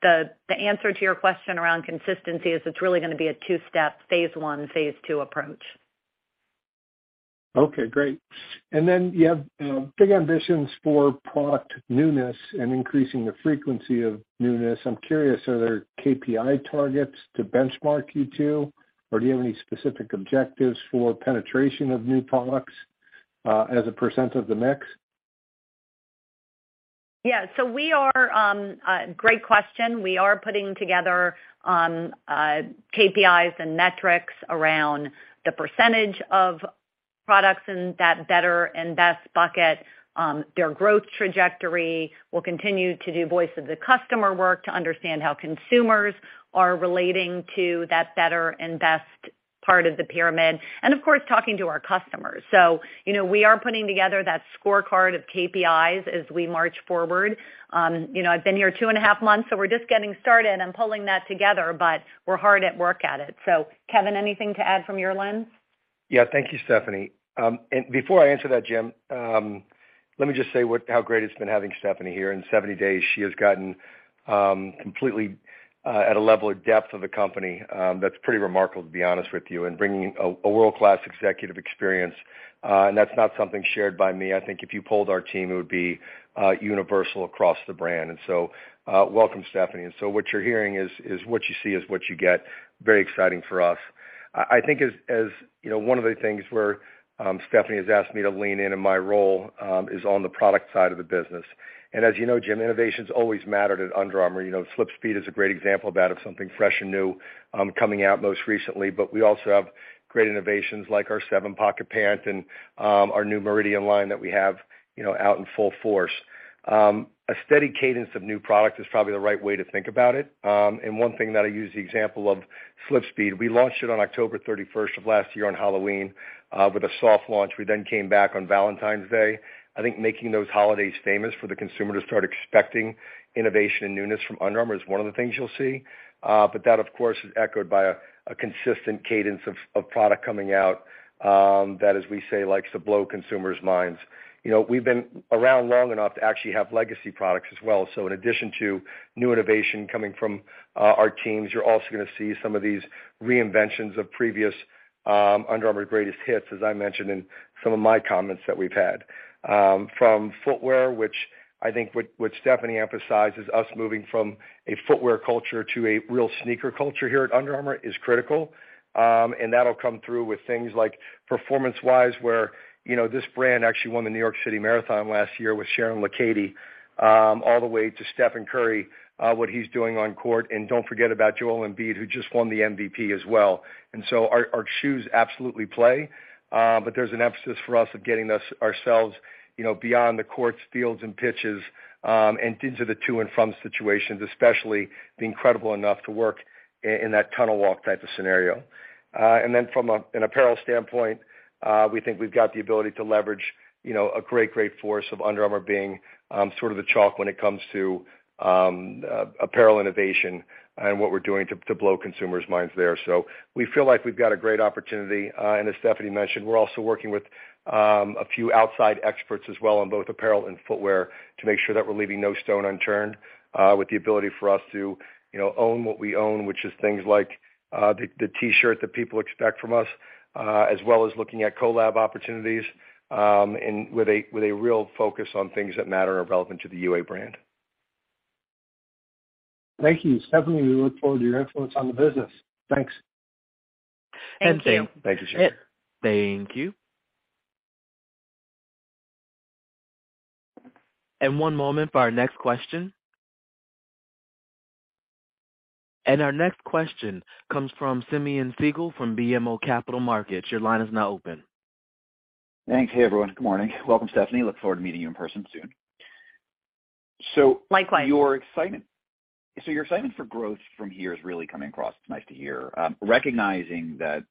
the answer to your question around consistency is it's really gonna be a two-step, phase one, phase two approach. Okay, great. You have big ambitions for product newness and increasing the frequency of newness. I'm curious, are there KPI targets to benchmark you to? Do you have any specific objectives for penetration of new products, as a percent of the mix? Yeah. We are, great question. We are putting together KPIs and metrics around the percentage of products in that better and best bucket, their growth trajectory. We'll continue to do voice of the customer work to understand how consumers are relating to that better and best part of the pyramid, and of course, talking to our customers. You know, we are putting together that scorecard of KPIs as we march forward. You know, I've been here two and a half months, so we're just getting started and pulling that together, but we're hard at work at it. Kevin, anything to add from your lens? Yeah. Thank you, Stephanie. Before I answer that, Jim, let me just say how great it's been having Stephanie here. In 70 days, she has gotten completely at a level of depth of the company that's pretty remarkable, to be honest with you, and bringing a world-class executive experience. That's not something shared by me. I think if you polled our team, it would be universal across the brand. Welcome, Stephanie. What you're hearing is what you see is what you get. Very exciting for us. I think as, you know, one of the things where Stephanie has asked me to lean in in my role is on the product side of the business. As you know, Jim, innovation's always mattered at Under Armour. You know, SlipSpeed is a great example of that, of something fresh and new, coming out most recently. We also have great innovations like our 7-Pocket Pants and, our new Meridian line that we have, you know, out in full force. A steady cadence of new product is probably the right way to think about it. One thing that I use the example of SlipSpeed, we launched it on October 31st of last year on Halloween, with a soft launch. We then came back on Valentine's Day. I think making those holidays famous for the consumer to start expecting innovation and newness from Under Armour is one of the things you'll see. That, of course, is echoed by a consistent cadence of product coming out, that, as we say, likes to blow consumers' minds. You know, we've been around long enough to actually have legacy products as well. In addition to new innovation coming from our teams, you're also gonna see some of these reinventions of previous Under Armour greatest hits, as I mentioned in some of my comments that we've had. From footwear, which I think what Stephanie emphasizes us moving from a footwear culture to a real sneaker culture here at Under Armour is critical. And that'll come through with things like performance-wise, where, you know, this brand actually won the New York City Marathon last year with Sharon Lokedi, all the way to Stephen Curry, what he's doing on court. Don't forget about Joel Embiid, who just won the MVP as well. Our shoes absolutely play. There's an emphasis for us of getting ourselves, you know, beyond the courts, fields and pitches, and into the to and from situations, especially being credible enough to work in that tunnel walk type of scenario. From an apparel standpoint, we think we've got the ability to leverage, you know, a great force of Under Armour being sort of the chalk when it comes to apparel innovation and what we're doing to blow consumers' minds there. We feel like we've got a great opportunity. As Stephanie mentioned, we're also working with a few outside experts as well on both apparel and footwear to make sure that we're leaving no stone unturned with the ability for us to, you know, own what we own, which is things like the T-shirt that people expect from us as well as looking at collab opportunities, and with a real focus on things that matter and are relevant to the UA brand. Thank you. Stephanie, we look forward to your influence on the business. Thanks. Thank you. Thanks for sharing. Thank you. One moment for our next question. Our next question comes from Simeon Siegel from BMO Capital Markets. Your line is now open. Thanks. Hey, everyone. Good morning. Welcome, Stephanie. Look forward to meeting you in person soon. Likewise. Your excitement for growth from here is really coming across. It's nice to hear. Recognizing that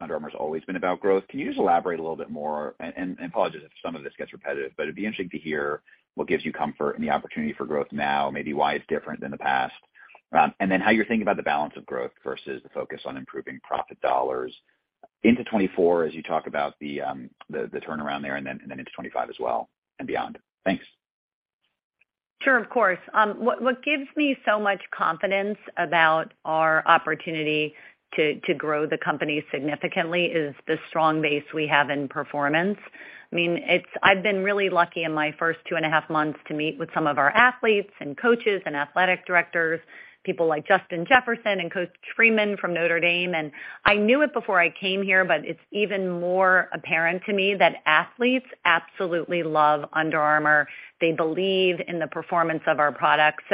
Under Armour's always been about growth, can you just elaborate a little bit more, and apologize if some of this gets repetitive, but it'd be interesting to hear what gives you comfort and the opportunity for growth now, maybe why it's different than the past. How you're thinking about the balance of growth versus the focus on improving profit dollars into 2024 as you talk about the turnaround there and then into 2025 as well and beyond. Thanks. Sure, of course. What gives me so much confidence about our opportunity to grow the company significantly is the strong base we have in performance. I mean, I've been really lucky in my first two and a half months to meet with some of our athletes and coaches and athletic directors, people like Justin Jefferson and Marcus Freeman from Notre Dame. I knew it before I came here, but it's even more apparent to me that athletes absolutely love Under Armour. They believe in the performance of our products.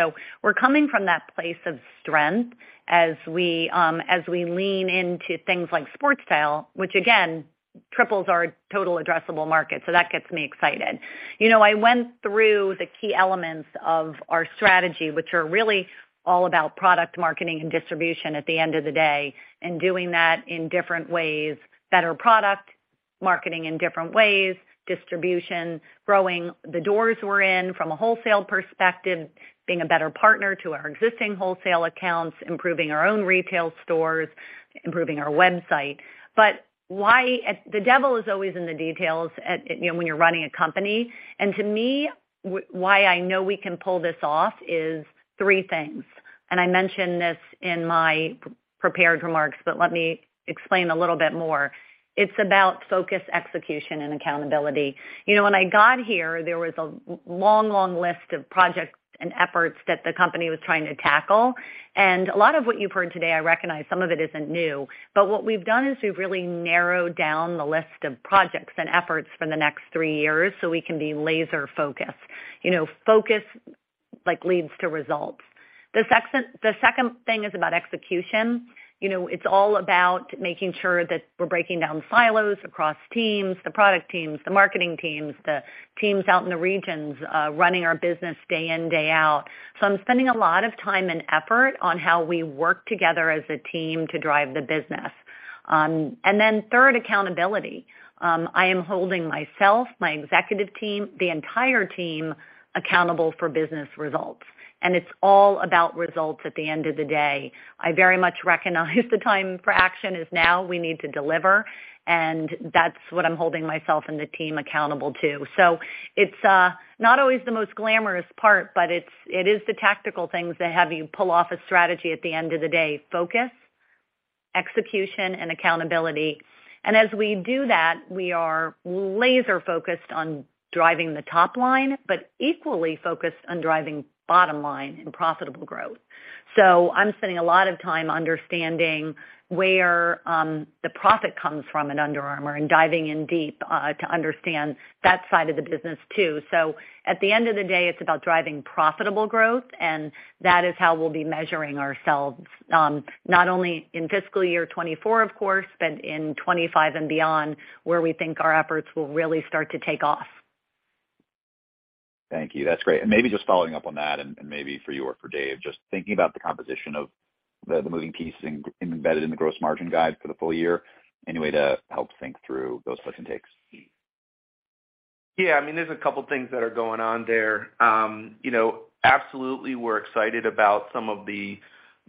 We're coming from that place of strength as we lean into things like sports style, which again triples our total addressable market. That gets me excited. You know, I went through the key elements of our strategy, which are really all about product marketing and distribution at the end of the day, and doing that in different ways, better product, marketing in different ways, distribution, growing the doors we're in from a wholesale perspective, being a better partner to our existing wholesale accounts, improving our own retail stores, improving our website. The devil is always in the details at, you know, when you're running a company. To me, why I know we can pull this off is three things, and I mentioned this in my prepared remarks, but let me explain a little bit more. It's about focus, execution and accountability. You know, when I got here, there was a long list of projects and efforts that the company was trying to tackle. A lot of what you've heard today, I recognize some of it isn't new. What we've done is we've really narrowed down the list of projects and efforts for the next three years so we can be laser focused. You know, focus, like, leads to results. The second thing is about execution. You know, it's all about making sure that we're breaking down silos across teams, the product teams, the marketing teams, the teams out in the regions, running our business day in, day out. I'm spending a lot of time and effort on how we work together as a team to drive the business. Then third, accountability. I am holding myself, my executive team, the entire team accountable for business results, and it's all about results at the end of the day. I very much recognize the time for action is now. We need to deliver, and that's what I'm holding myself and the team accountable to. It's not always the most glamorous part, but it is the tactical things that have you pull off a strategy at the end of the day, focus, execution, and accountability. As we do that, we are laser focused on driving the top line, but equally focused on driving bottom line and profitable growth. I'm spending a lot of time understanding where the profit comes from at Under Armour and diving in deep to understand that side of the business too. At the end of the day, it's about driving profitable growth, and that is how we'll be measuring ourselves, not only in fiscal year 2024, of course, but in 2025 and beyond, where we think our efforts will really start to take off. Thank you. That's great. Maybe just following up on that and maybe for you or for Dave, just thinking about the composition of the moving pieces embedded in the gross margin guide for the full year, any way to help think through those puts and takes? Yeah. I mean, there's a couple things that are going on there. You know, absolutely, we're excited about some of the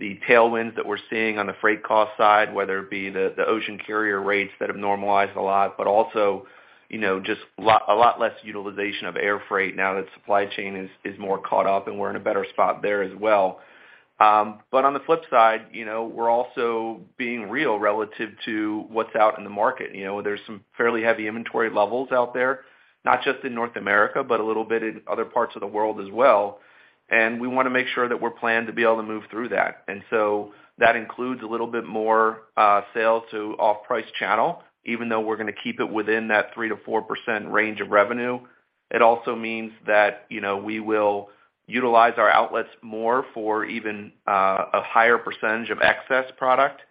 tailwinds that we're seeing on the freight cost side, whether it be the ocean carrier rates that have normalized a lot, but also, you know, just a lot less utilization of air freight now that supply chain is more caught up and we're in a better spot there as well. On the flip side, you know, we're also being real relative to what's out in the market. You know, there's some fairly heavy inventory levels out there, not just in North America, but a little bit in other parts of the world as well. We wanna make sure that we're planned to be able to move through that. That includes a little bit more sale to off-price channel, even though we're gonna keep it within that 3%-4% range of revenue. It also means that, you know, we will utilize our outlets more for even a higher percentage of excess product,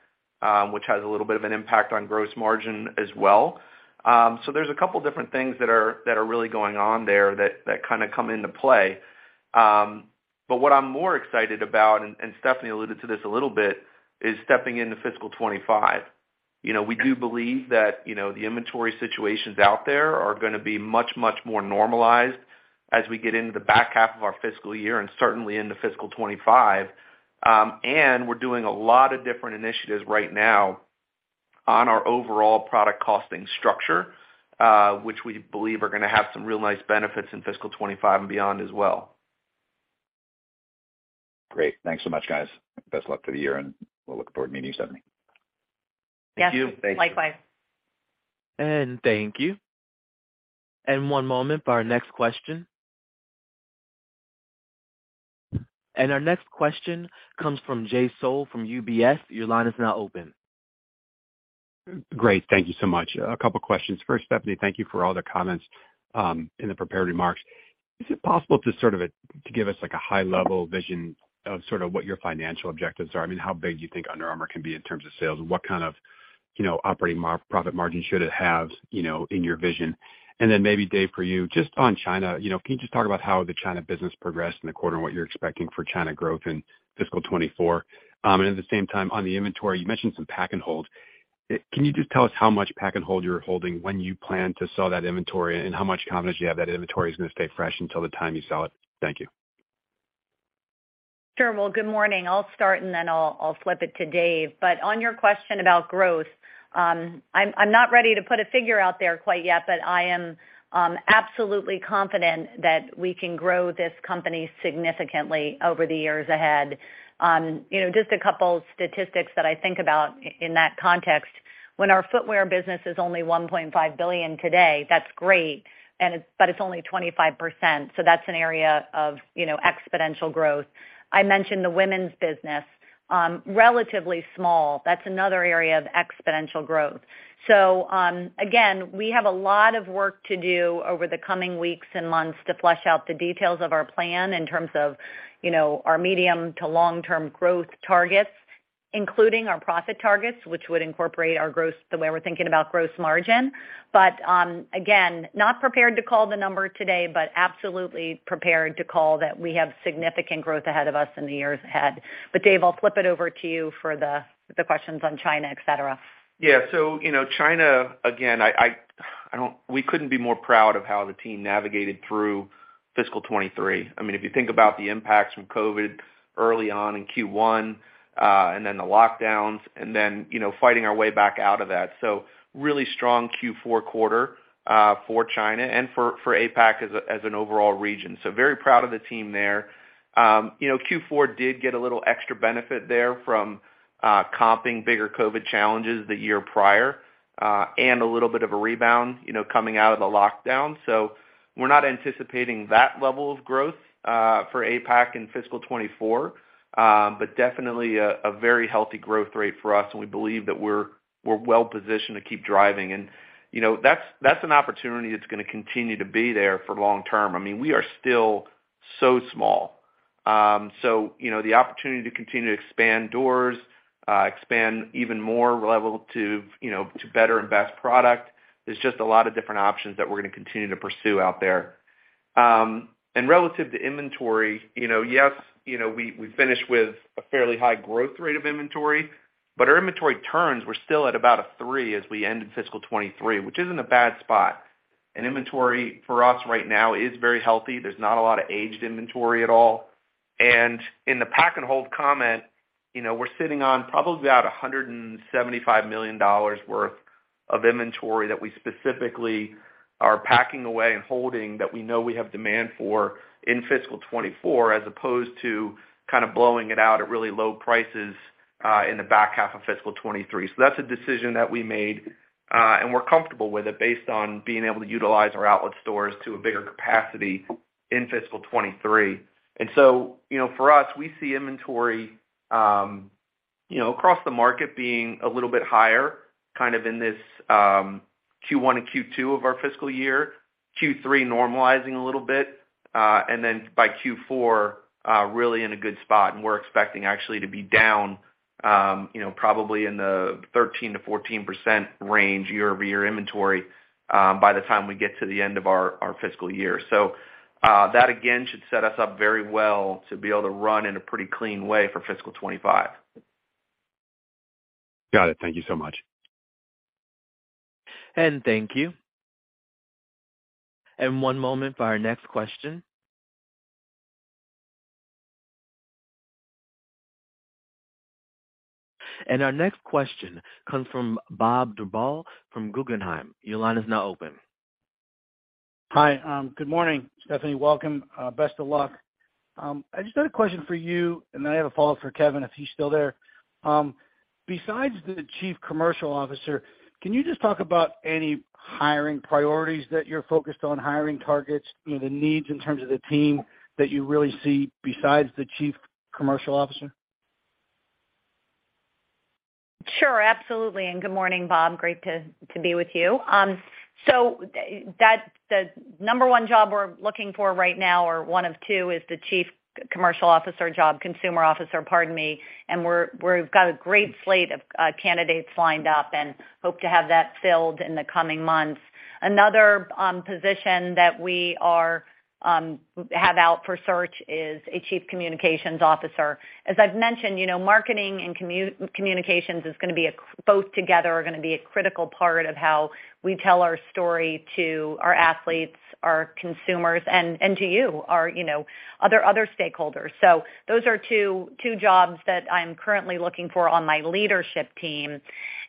which has a little bit of an impact on gross margin as well. There's a couple different things that are really going on there that kinda come into play. What I'm more excited about, and Stephanie alluded to this a little bit, is stepping into fiscal 2025. We do believe that, you know, the inventory situations out there are gonna be much, much more normalized as we get into the back half of our fiscal year and certainly into fiscal 2025. We're doing a lot of different initiatives right now on our overall product costing structure, which we believe are gonna have some real nice benefits in fiscal 2025 and beyond as well. Great. Thanks so much, guys. Best of luck for the year, and we'll look forward to meeting you, Stephanie. Thank you. Yes, likewise. Thank you. One moment for our next question. Our next question comes from Jay Sole from UBS. Your line is now open. Great. Thank you so much. A couple questions. First, Stephanie, thank you for all the comments in the prepared remarks. Is it possible to sort of, to give us, like, a high-level vision of sort of what your financial objectives are? I mean, how big do you think Under Armour can be in terms of sales and what kind of, you know, profit margin should it have, you know, in your vision? Maybe Dave, for you, just on China, you know, can you just talk about how the China business progressed in the quarter and what you're expecting for China growth in fiscal 2024? At the same time, on the inventory, you mentioned some pack and hold. Can you just tell us how much pack and hold you're holding, when you plan to sell that inventory, and how much confidence you have that inventory is gonna stay fresh until the time you sell it? Thank you. Sure. Well, good morning. I'll start, and then I'll flip it to Dave. On your question about growth, I'm not ready to put a figure out there quite yet, but I am absolutely confident that we can grow this company significantly over the years ahead. You know, just a couple statistics that I think about in that context. When our footwear business is only $1.5 billion today, that's great, but it's only 25%, so that's an area of, you know, exponential growth. I mentioned the women's business. Relatively small. That's another area of exponential growth. Again, we have a lot of work to do over the coming weeks and months to flesh out the details of our plan in terms of, you know, our medium to long-term growth targets, including our profit targets, which would incorporate our gross, the way we're thinking about gross margin. Again, not prepared to call the number today, but absolutely prepared to call that we have significant growth ahead of us in the years ahead. Dave, I'll flip it over to you for the questions on China, et cetera. Yeah. You know, China, again, we couldn't be more proud of how the team navigated through fiscal 2023. I mean, if you think about the impacts from COVID early on in Q1, and then the lockdowns and then, you know, fighting our way back out of that. Really strong Q4 quarter for China and for APAC as an overall region. Very proud of the team there. You know, Q4 did get a little extra benefit there from comping bigger COVID challenges the year prior and a little bit of a rebound, you know, coming out of the lockdown. We're not anticipating that level of growth for APAC in fiscal 2024, but definitely a very healthy growth rate for us, and we believe that we're well positioned to keep driving and, you know, that's an opportunity that's gonna continue to be there for long term. I mean, we are still so small. You know, the opportunity to continue to expand doors, expand even more relative, you know, to better and best product is just a lot of different options that we're gonna continue to pursue out there. Relative to inventory, you know, yes, you know, we finished with a fairly high growth rate of inventory, but our inventory turns were still at about a three as we ended fiscal 2023, which isn't a bad spot. Inventory for us right now is very healthy. There's not a lot of aged inventory at all. In the pack and hold comment, you know, we're sitting on probably about $175 million worth of inventory that we specifically are packing away and holding that we know we have demand for in fiscal 2024, as opposed to kind of blowing it out at really low prices in the back half of fiscal 2023. That's a decision that we made, and we're comfortable with it based on being able to utilize our outlet stores to a bigger capacity in fiscal 2023. You know, for us, we see inventory, you know, across the market being a little bit higher kind of in this Q1 and Q2 of our fiscal year. Q3 normalizing a little bit, and then by Q4, really in a good spot. We're expecting actually to be down, you know, probably in the 13%-14% range year-over-year inventory by the time we get to the end of our fiscal year. That again should set us up very well to be able to run in a pretty clean way for fiscal 2025. Got it. Thank you so much. Thank you. One moment for our next question. Our next question comes from Bob Drbul from Guggenheim. Your line is now open. Hi. Good morning, Stephanie. Welcome. Best of luck. I just had a question for you, and then I have a follow-up for Kevin, if he's still there. Besides the chief commercial officer, can you just talk about any hiring priorities that you're focused on, hiring targets, you know, the needs in terms of the team that you really see besides the chief commercial officer? Sure, absolutely. Good morning, Bob, great to be with you. The number one job we're looking for right now or one of two is the chief commercial officer job, consumer officer, pardon me, and we're got a great slate of candidates lined up and hope to have that filled in the coming months. Another position that we are have out for search is a chief communications officer. As I've mentioned, you know, marketing and communications is gonna be a critical part of how we tell our story to our athletes, our consumers, and to you, our, you know, other stakeholders. Those are two jobs that I'm currently looking for on my leadership team.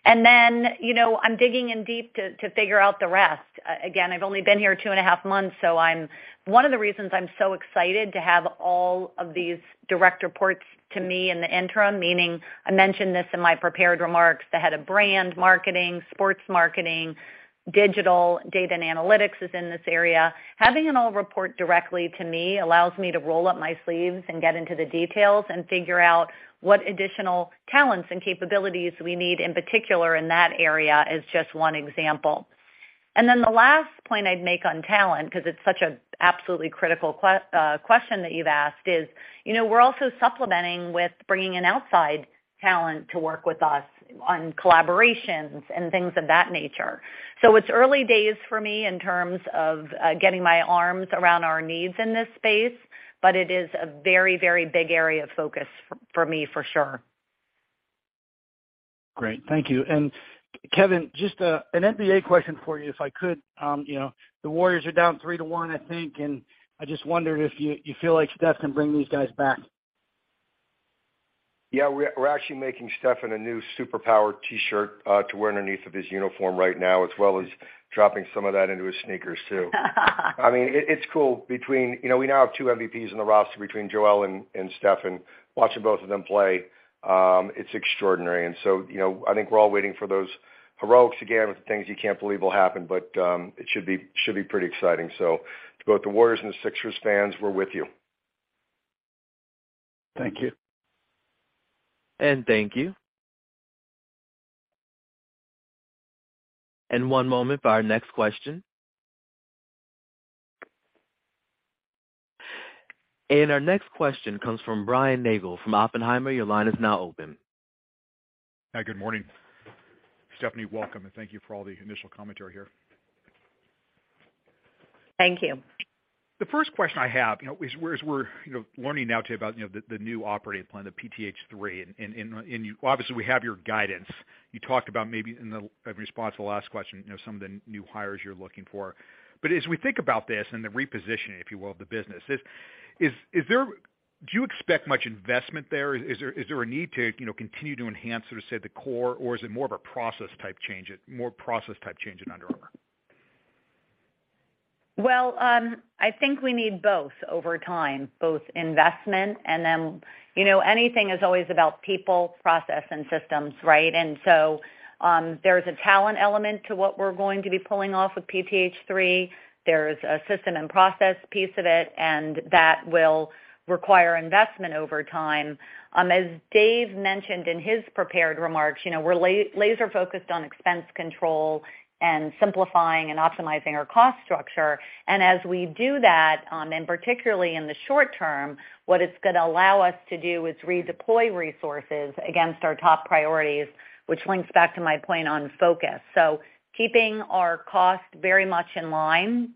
Then, you know, I'm digging in deep to figure out the rest. Again, I've only been here two and a half months, so I'm. One of the reasons I'm so excited to have all of these direct reports to me in the interim, meaning I mentioned this in my prepared remarks, the head of brand, marketing, sports marketing, digital, data and analytics is in this area. Having it all report directly to me allows me to roll up my sleeves and get into the details and figure out what additional talents and capabilities we need in particular in that area is just one example. The last point I'd make on talent, 'cause it's such a absolutely critical question that you've asked is, you know, we're also supplementing with bringing in outside talent to work with us on collaborations and things of that nature. It's early days for me in terms of getting my arms around our needs in this space, but it is a very, very big area of focus for me, for sure. Great. Thank you. Kevin, just an NBA question for you, if I could. You know, the Warriors are down three to one, I think. I just wondered if you feel like Steph can bring these guys back. Yeah, we're actually making Stephen a new superpower T-shirt to wear underneath of his uniform right now, as well as dropping some of that into his sneakers too. I mean, it's cool between. You know, we now have two MVPs in the roster between Joel and Stephen. Watching both of them play, it's extraordinary. You know, I think we're all waiting for those heroics again with the things you can't believe will happen, but it should be pretty exciting. To both the Warriors and the Sixers fans, we're with you. Thank you. Thank you. One moment for our next question. Our next question comes from Brian Nagel from Oppenheimer. Your line is now open. Hi, good morning. Stephanie, welcome, and thank you for all the initial commentary here. Thank you. The first question I have, you know, as we're, you know, learning now today about, you know, the new operating plan, the PTH3, and, obviously, we have your guidance. You talked about maybe in response to the last question, you know, some of the new hires you're looking for. As we think about this and the repositioning, if you will, of the business, do you expect much investment there? Is there a need to, you know, continue to enhance or set the core? Or is it more of a process type change at Under Armour? I think we need both over time, both investment and then. You know, anything is always about people, process and systems, right? There's a talent element to what we're going to be pulling off with PTH 3. There's a system and process piece of it, and that will require investment over time. As Dave mentioned in his prepared remarks, you know, we're laser focused on expense control and simplifying and optimizing our cost structure. As we do that, and particularly in the short term, what it's gonna allow us to do is redeploy resources against our top priorities, which links back to my point on focus. Keeping our costs very much in line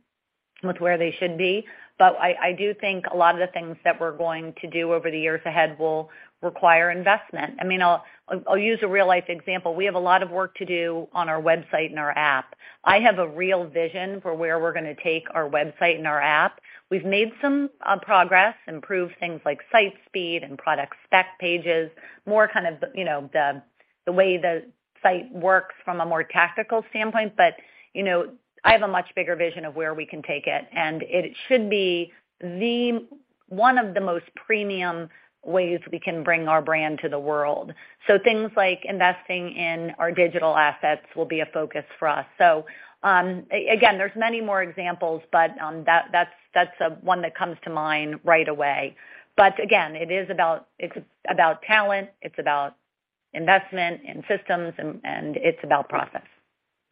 with where they should be. I do think a lot of the things that we're going to do over the years ahead will require investment. I mean, I'll use a real life example. We have a lot of work to do on our website and our app. I have a real vision for where we're gonna take our website and our app. We've made some progress, improved things like site speed and product spec pages, more kind of the, you know, the way the site works from a more tactical standpoint. You know, I have a much bigger vision of where we can take it, and it should be one of the most premium ways we can bring our brand to the world. Things like investing in our digital assets will be a focus for us. Again, there's many more examples, but that's one that comes to mind right away. Again, it is about, it's about talent, it's about investment in systems, and it's about process.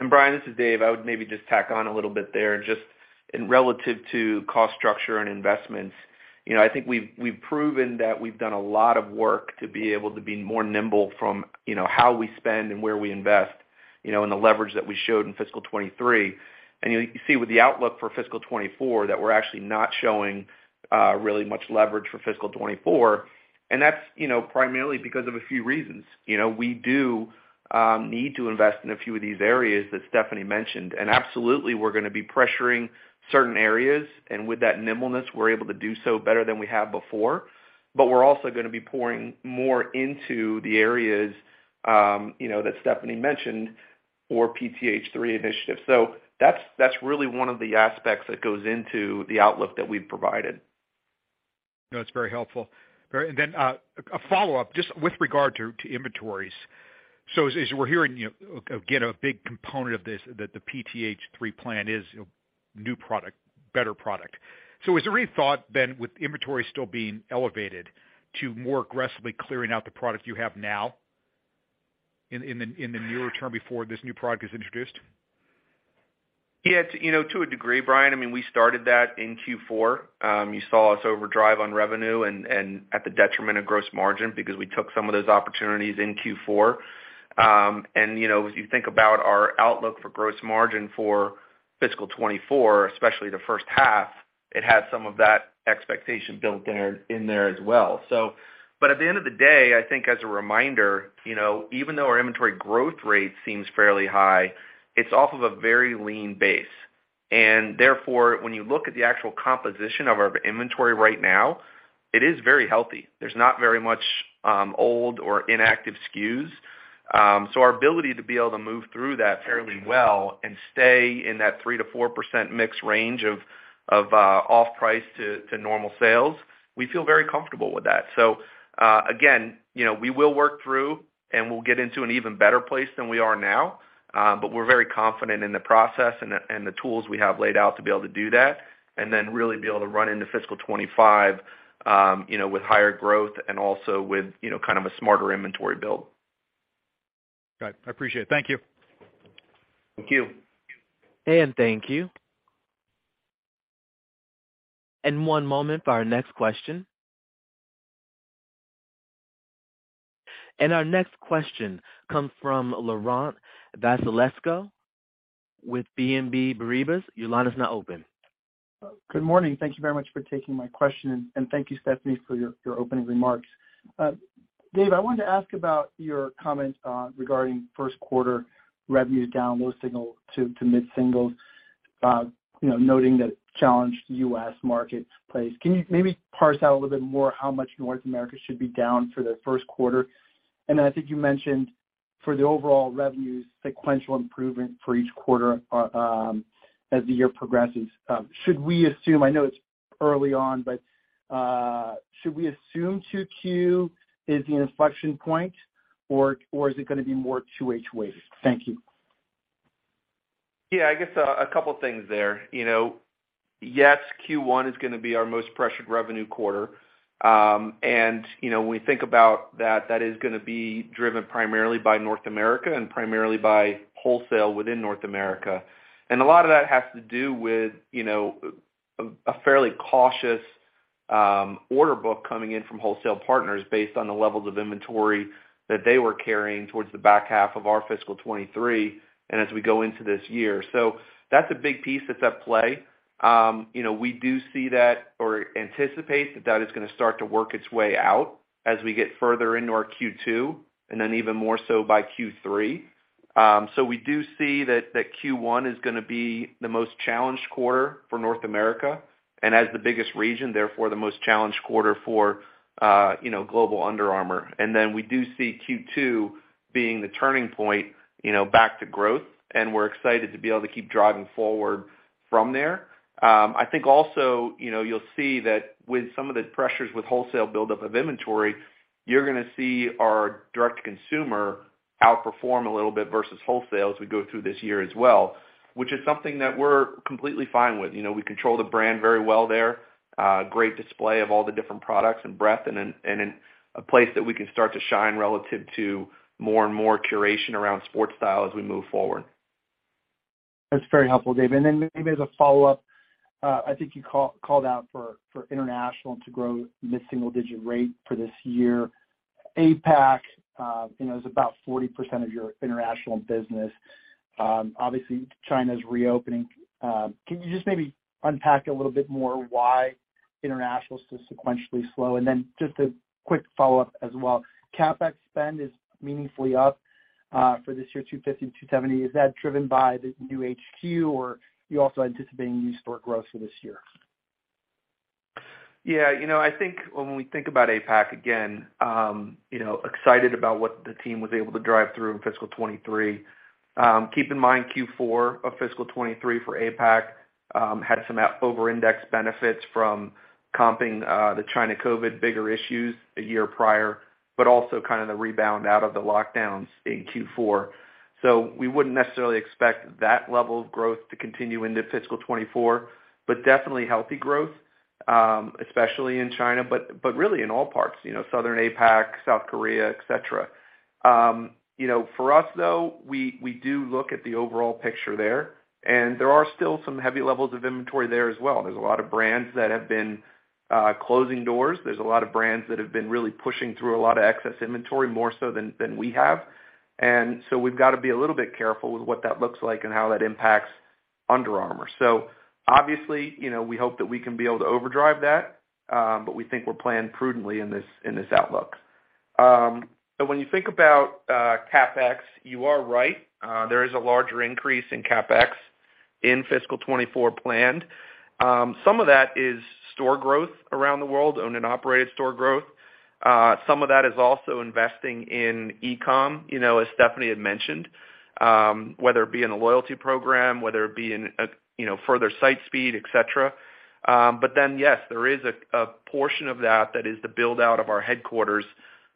Brian, this is Dave. I would maybe just tack on a little bit there. Just in relative to cost structure and investments, you know, I think we've proven that we've done a lot of work to be able to be more nimble from, you know, how we spend and where we invest, you know, and the leverage that we showed in fiscal 2023. You see with the outlook for fiscal 2024 that we're actually not showing really much leverage for fiscal 2024. That's, you know, primarily because of a few reasons. You know, we do. Need to invest in a few of these areas that Stephanie mentioned. Absolutely, we're gonna be pressuring certain areas, and with that nimbleness, we're able to do so better than we have before. We're also gonna be pouring more into the areas, you know, that Stephanie mentioned for PTH 3 initiatives. That's really one of the aspects that goes into the outlook that we've provided. No, it's very helpful. A follow-up, just with regard to inventories. As we're hearing, you know, again, a big component of this, that the PTH 3 plan is, you know, new product, better product. Has there been thought then, with inventory still being elevated to more aggressively clearing out the product you have now in the nearer term before this new product is introduced? It's, you know, to a degree, Brian, I mean, we started that in Q4. You saw us overdrive on revenue and at the detriment of gross margin because we took some of those opportunities in Q4. You know, as you think about our outlook for gross margin for fiscal 2024, especially the first half, it has some of that expectation built in there as well. At the end of the day, I think as a reminder, you know, even though our inventory growth rate seems fairly high, it's off of a very lean base. When you look at the actual composition of our inventory right now, it is very healthy. There's not very much old or inactive SKUs. Our ability to be able to move through that fairly well and stay in that 3%-4% mix range of off-price to normal sales, we feel very comfortable with that. Again, you know, we will work through, and we'll get into an even better place than we are now, but we're very confident in the process and the tools we have laid out to be able to do that. Really be able to run into fiscal 2025, you know, with higher growth and also with, you know, kind of a smarter inventory build. Got it. I appreciate it. Thank you. Thank you. Thank you. One moment for our next question. Our next question comes from Laurent Vasilescu with BNP Paribas. Your line is now open. Good morning. Thank you very much for taking my question, and thank you, Stephanie, for your opening remarks. Dave, I wanted to ask about your comment regarding first quarter revenues down low single to mid-singles, you know, noting that challenged U.S. marketplace. Can you maybe parse out a little bit more how much North America should be down for the first quarter? I think you mentioned for the overall revenues sequential improvement for each quarter as the year progresses. Should we assume... I know it's early on, but should we assume 2Q is the inflection point or is it gonna be more 2H waves? Thank you. Yeah. I guess a couple things there. You know, yes, Q1 is gonna be our most pressured revenue quarter. You know, when we think about that is gonna be driven primarily by North America and primarily by wholesale within North America. A lot of that has to do with, you know, a fairly cautious order book coming in from wholesale partners based on the levels of inventory that they were carrying towards the back half of our fiscal 2023 and as we go into this year. That's a big piece that's at play. You know, we do see that or anticipate that that is gonna start to work its way out as we get further into our Q2, even more so by Q3. We do see that Q1 is gonna be the most challenged quarter for North America, and as the biggest region, therefore the most challenged quarter for, you know, global Under Armour. We do see Q2 being the turning point, you know, back to growth, and we're excited to be able to keep driving forward from there. I think also, you know, you'll see that with some of the pressures with wholesale buildup of inventory, you're gonna see our direct consumer outperform a little bit versus wholesale as we go through this year as well, which is something that we're completely fine with. You know, we control the brand very well there. Great display of all the different products and breadth and in a place that we can start to shine relative to more and more curation around sports style as we move forward. That's very helpful, Dave. Maybe as a follow-up, I think you called out for international to grow mid-single digit rate for this year. APAC, you know, is about 40% of your international business. Obviously China's reopening. Can you just maybe unpack a little bit more why international is still sequentially slow? Just a quick follow-up as well. CapEx spend is meaningfully up for this year, $250-$270. Is that driven by the new HQ or you also anticipating new store growth for this year? You know, I think when we think about APAC again, you know, excited about what the team was able to drive through in fiscal 2023. Keep in mind, Q4 of fiscal 2023 for APAC had some over-index benefits from comping the China COVID bigger issues a year prior, but also kind of the rebound out of the lockdowns in Q4. We wouldn't necessarily expect that level of growth to continue into fiscal 2024, but definitely healthy growth, especially in China, but really in all parts, you know, Southern APAC, South Korea, et cetera. You know, for us, though, we do look at the overall picture there, and there are still some heavy levels of inventory there as well. There's a lot of brands that have been closing doors. There's a lot of brands that have been really pushing through a lot of excess inventory, more so than we have. We've got to be a little bit careful with what that looks like and how that impacts Under Armour. Obviously, you know, we hope that we can be able to overdrive that, but we think we're playing prudently in this, in this outlook. When you think about CapEx, you are right. There is a larger increase in CapEx in fiscal 2024 planned. Some of that is store growth around the world, owned and operated store growth. Some of that is also investing in e-com, you know, as Stephanie had mentioned, whether it be in a loyalty program, whether it be in, you know, further site speed, et cetera. Yes, there is a portion of that that is the build-out of our headquarters,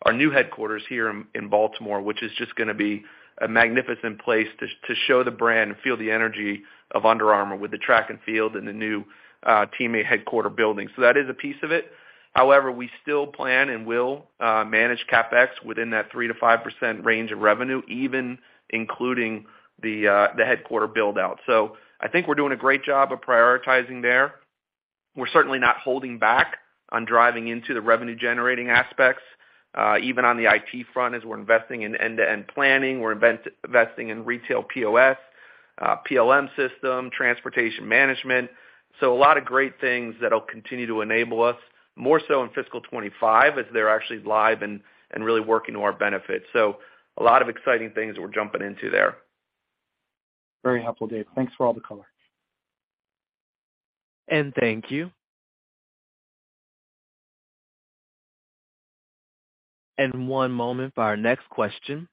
our new headquarters here in Baltimore, which is just gonna be a magnificent place to show the brand and feel the energy of Under Armour with the track and field and the new teammate headquarter building. That is a piece of it. However, we still plan and will manage CapEx within that 3%-5% range of revenue, even including the headquarter build-out. I think we're doing a great job of prioritizing there. We're certainly not holding back on driving into the revenue-generating aspects, even on the IT front, as we're investing in end-to-end planning, we're investing in retail POS, PLM system, transportation management. A lot of great things that'll continue to enable us more so in fiscal 2025 as they're actually live and really working to our benefit. A lot of exciting things we're jumping into there. Very helpful, Dave. Thanks for all the color. Thank you. One moment for our next question.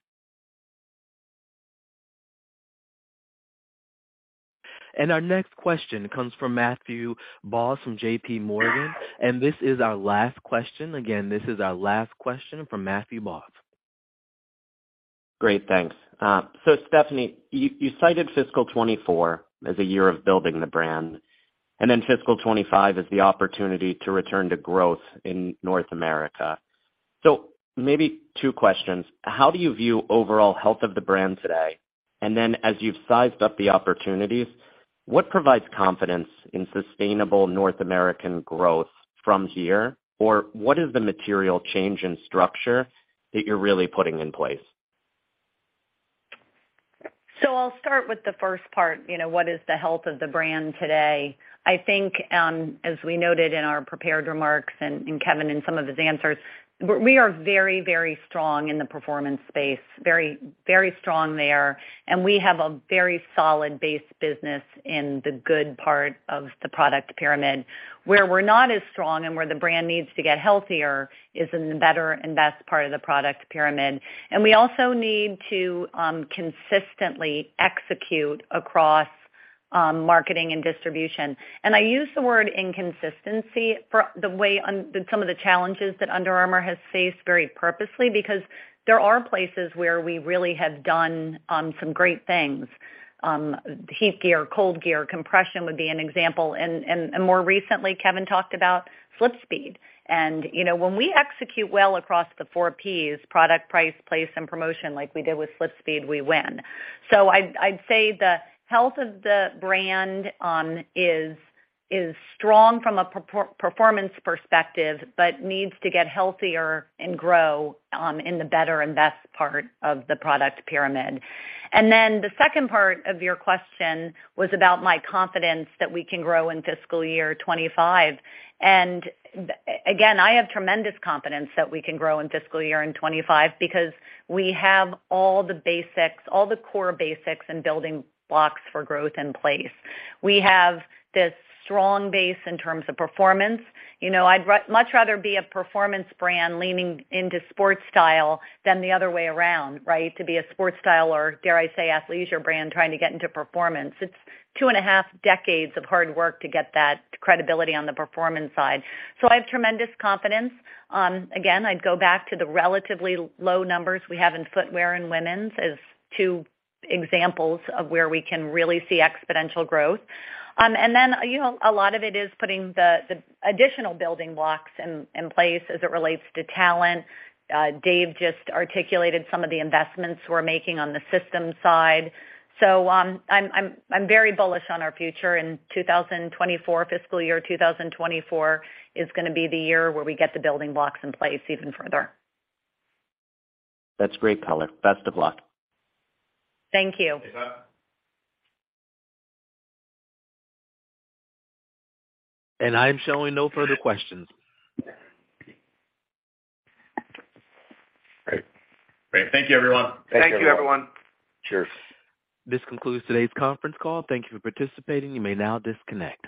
Our next question comes from Matthew Boss from JPMorgan, and this is our last question. Again, this is our last question from Matthew Boss. Great. Thanks. Stephanie, you cited fiscal 2024 as a year of building the brand, and then fiscal 2025 as the opportunity to return to growth in North America. Maybe two questions. How do you view overall health of the brand today? As you've sized up the opportunities, what provides confidence in sustainable North American growth from here? What is the material change in structure that you're really putting in place? I'll start with the first part. You know, what is the health of the brand today? I think, as we noted in our prepared remarks and Kevin in some of his answers, we are very, very strong in the performance space, very, very strong there, and we have a very solid base business in the good part of the product pyramid. Where we're not as strong and where the brand needs to get healthier is in the better and best part of the product pyramid. We also need to consistently execute across marketing and distribution. I use the word inconsistency for the way on some of the challenges that Under Armour has faced very purposely because there are places where we really have done some great things. HeatGear, ColdGear, Compression would be an example. More recently, Kevin talked about SlipSpeed. You know, when we execute well across the four Ps, product, price, place, and promotion like we did with SlipSpeed, we win. I'd say the health of the brand is strong from a performance perspective, but needs to get healthier and grow in the better and best part of the product pyramid. Then the second part of your question was about my confidence that we can grow in fiscal year 2025. Again, I have tremendous confidence that we can grow in fiscal year in 2025 because we have all the basics, all the core basics and building blocks for growth in place. We have this strong base in terms of performance. You know, I'd much rather be a performance brand leaning into sports style than the other way around, right? To be a sports style or dare I say, athleisure brand trying to get into performance. It's two and a half decades of hard work to get that credibility on the performance side. I have tremendous confidence. Again, I'd go back to the relatively low numbers we have in footwear and women's as two examples of where we can really see exponential growth. And then, you know, a lot of it is putting the additional building blocks in place as it relates to talent. Dave just articulated some of the investments we're making on the system side. I'm very bullish on our future in 2024. Fiscal year 2024 is gonna be the year where we get the building blocks in place even further. That's great color. Best of luck. Thank you. Hey, Matt. I'm showing no further questions. Great. Great. Thank you, everyone. Thank you, everyone. Cheers. This concludes today's conference call. Thank you for participating. You may now disconnect.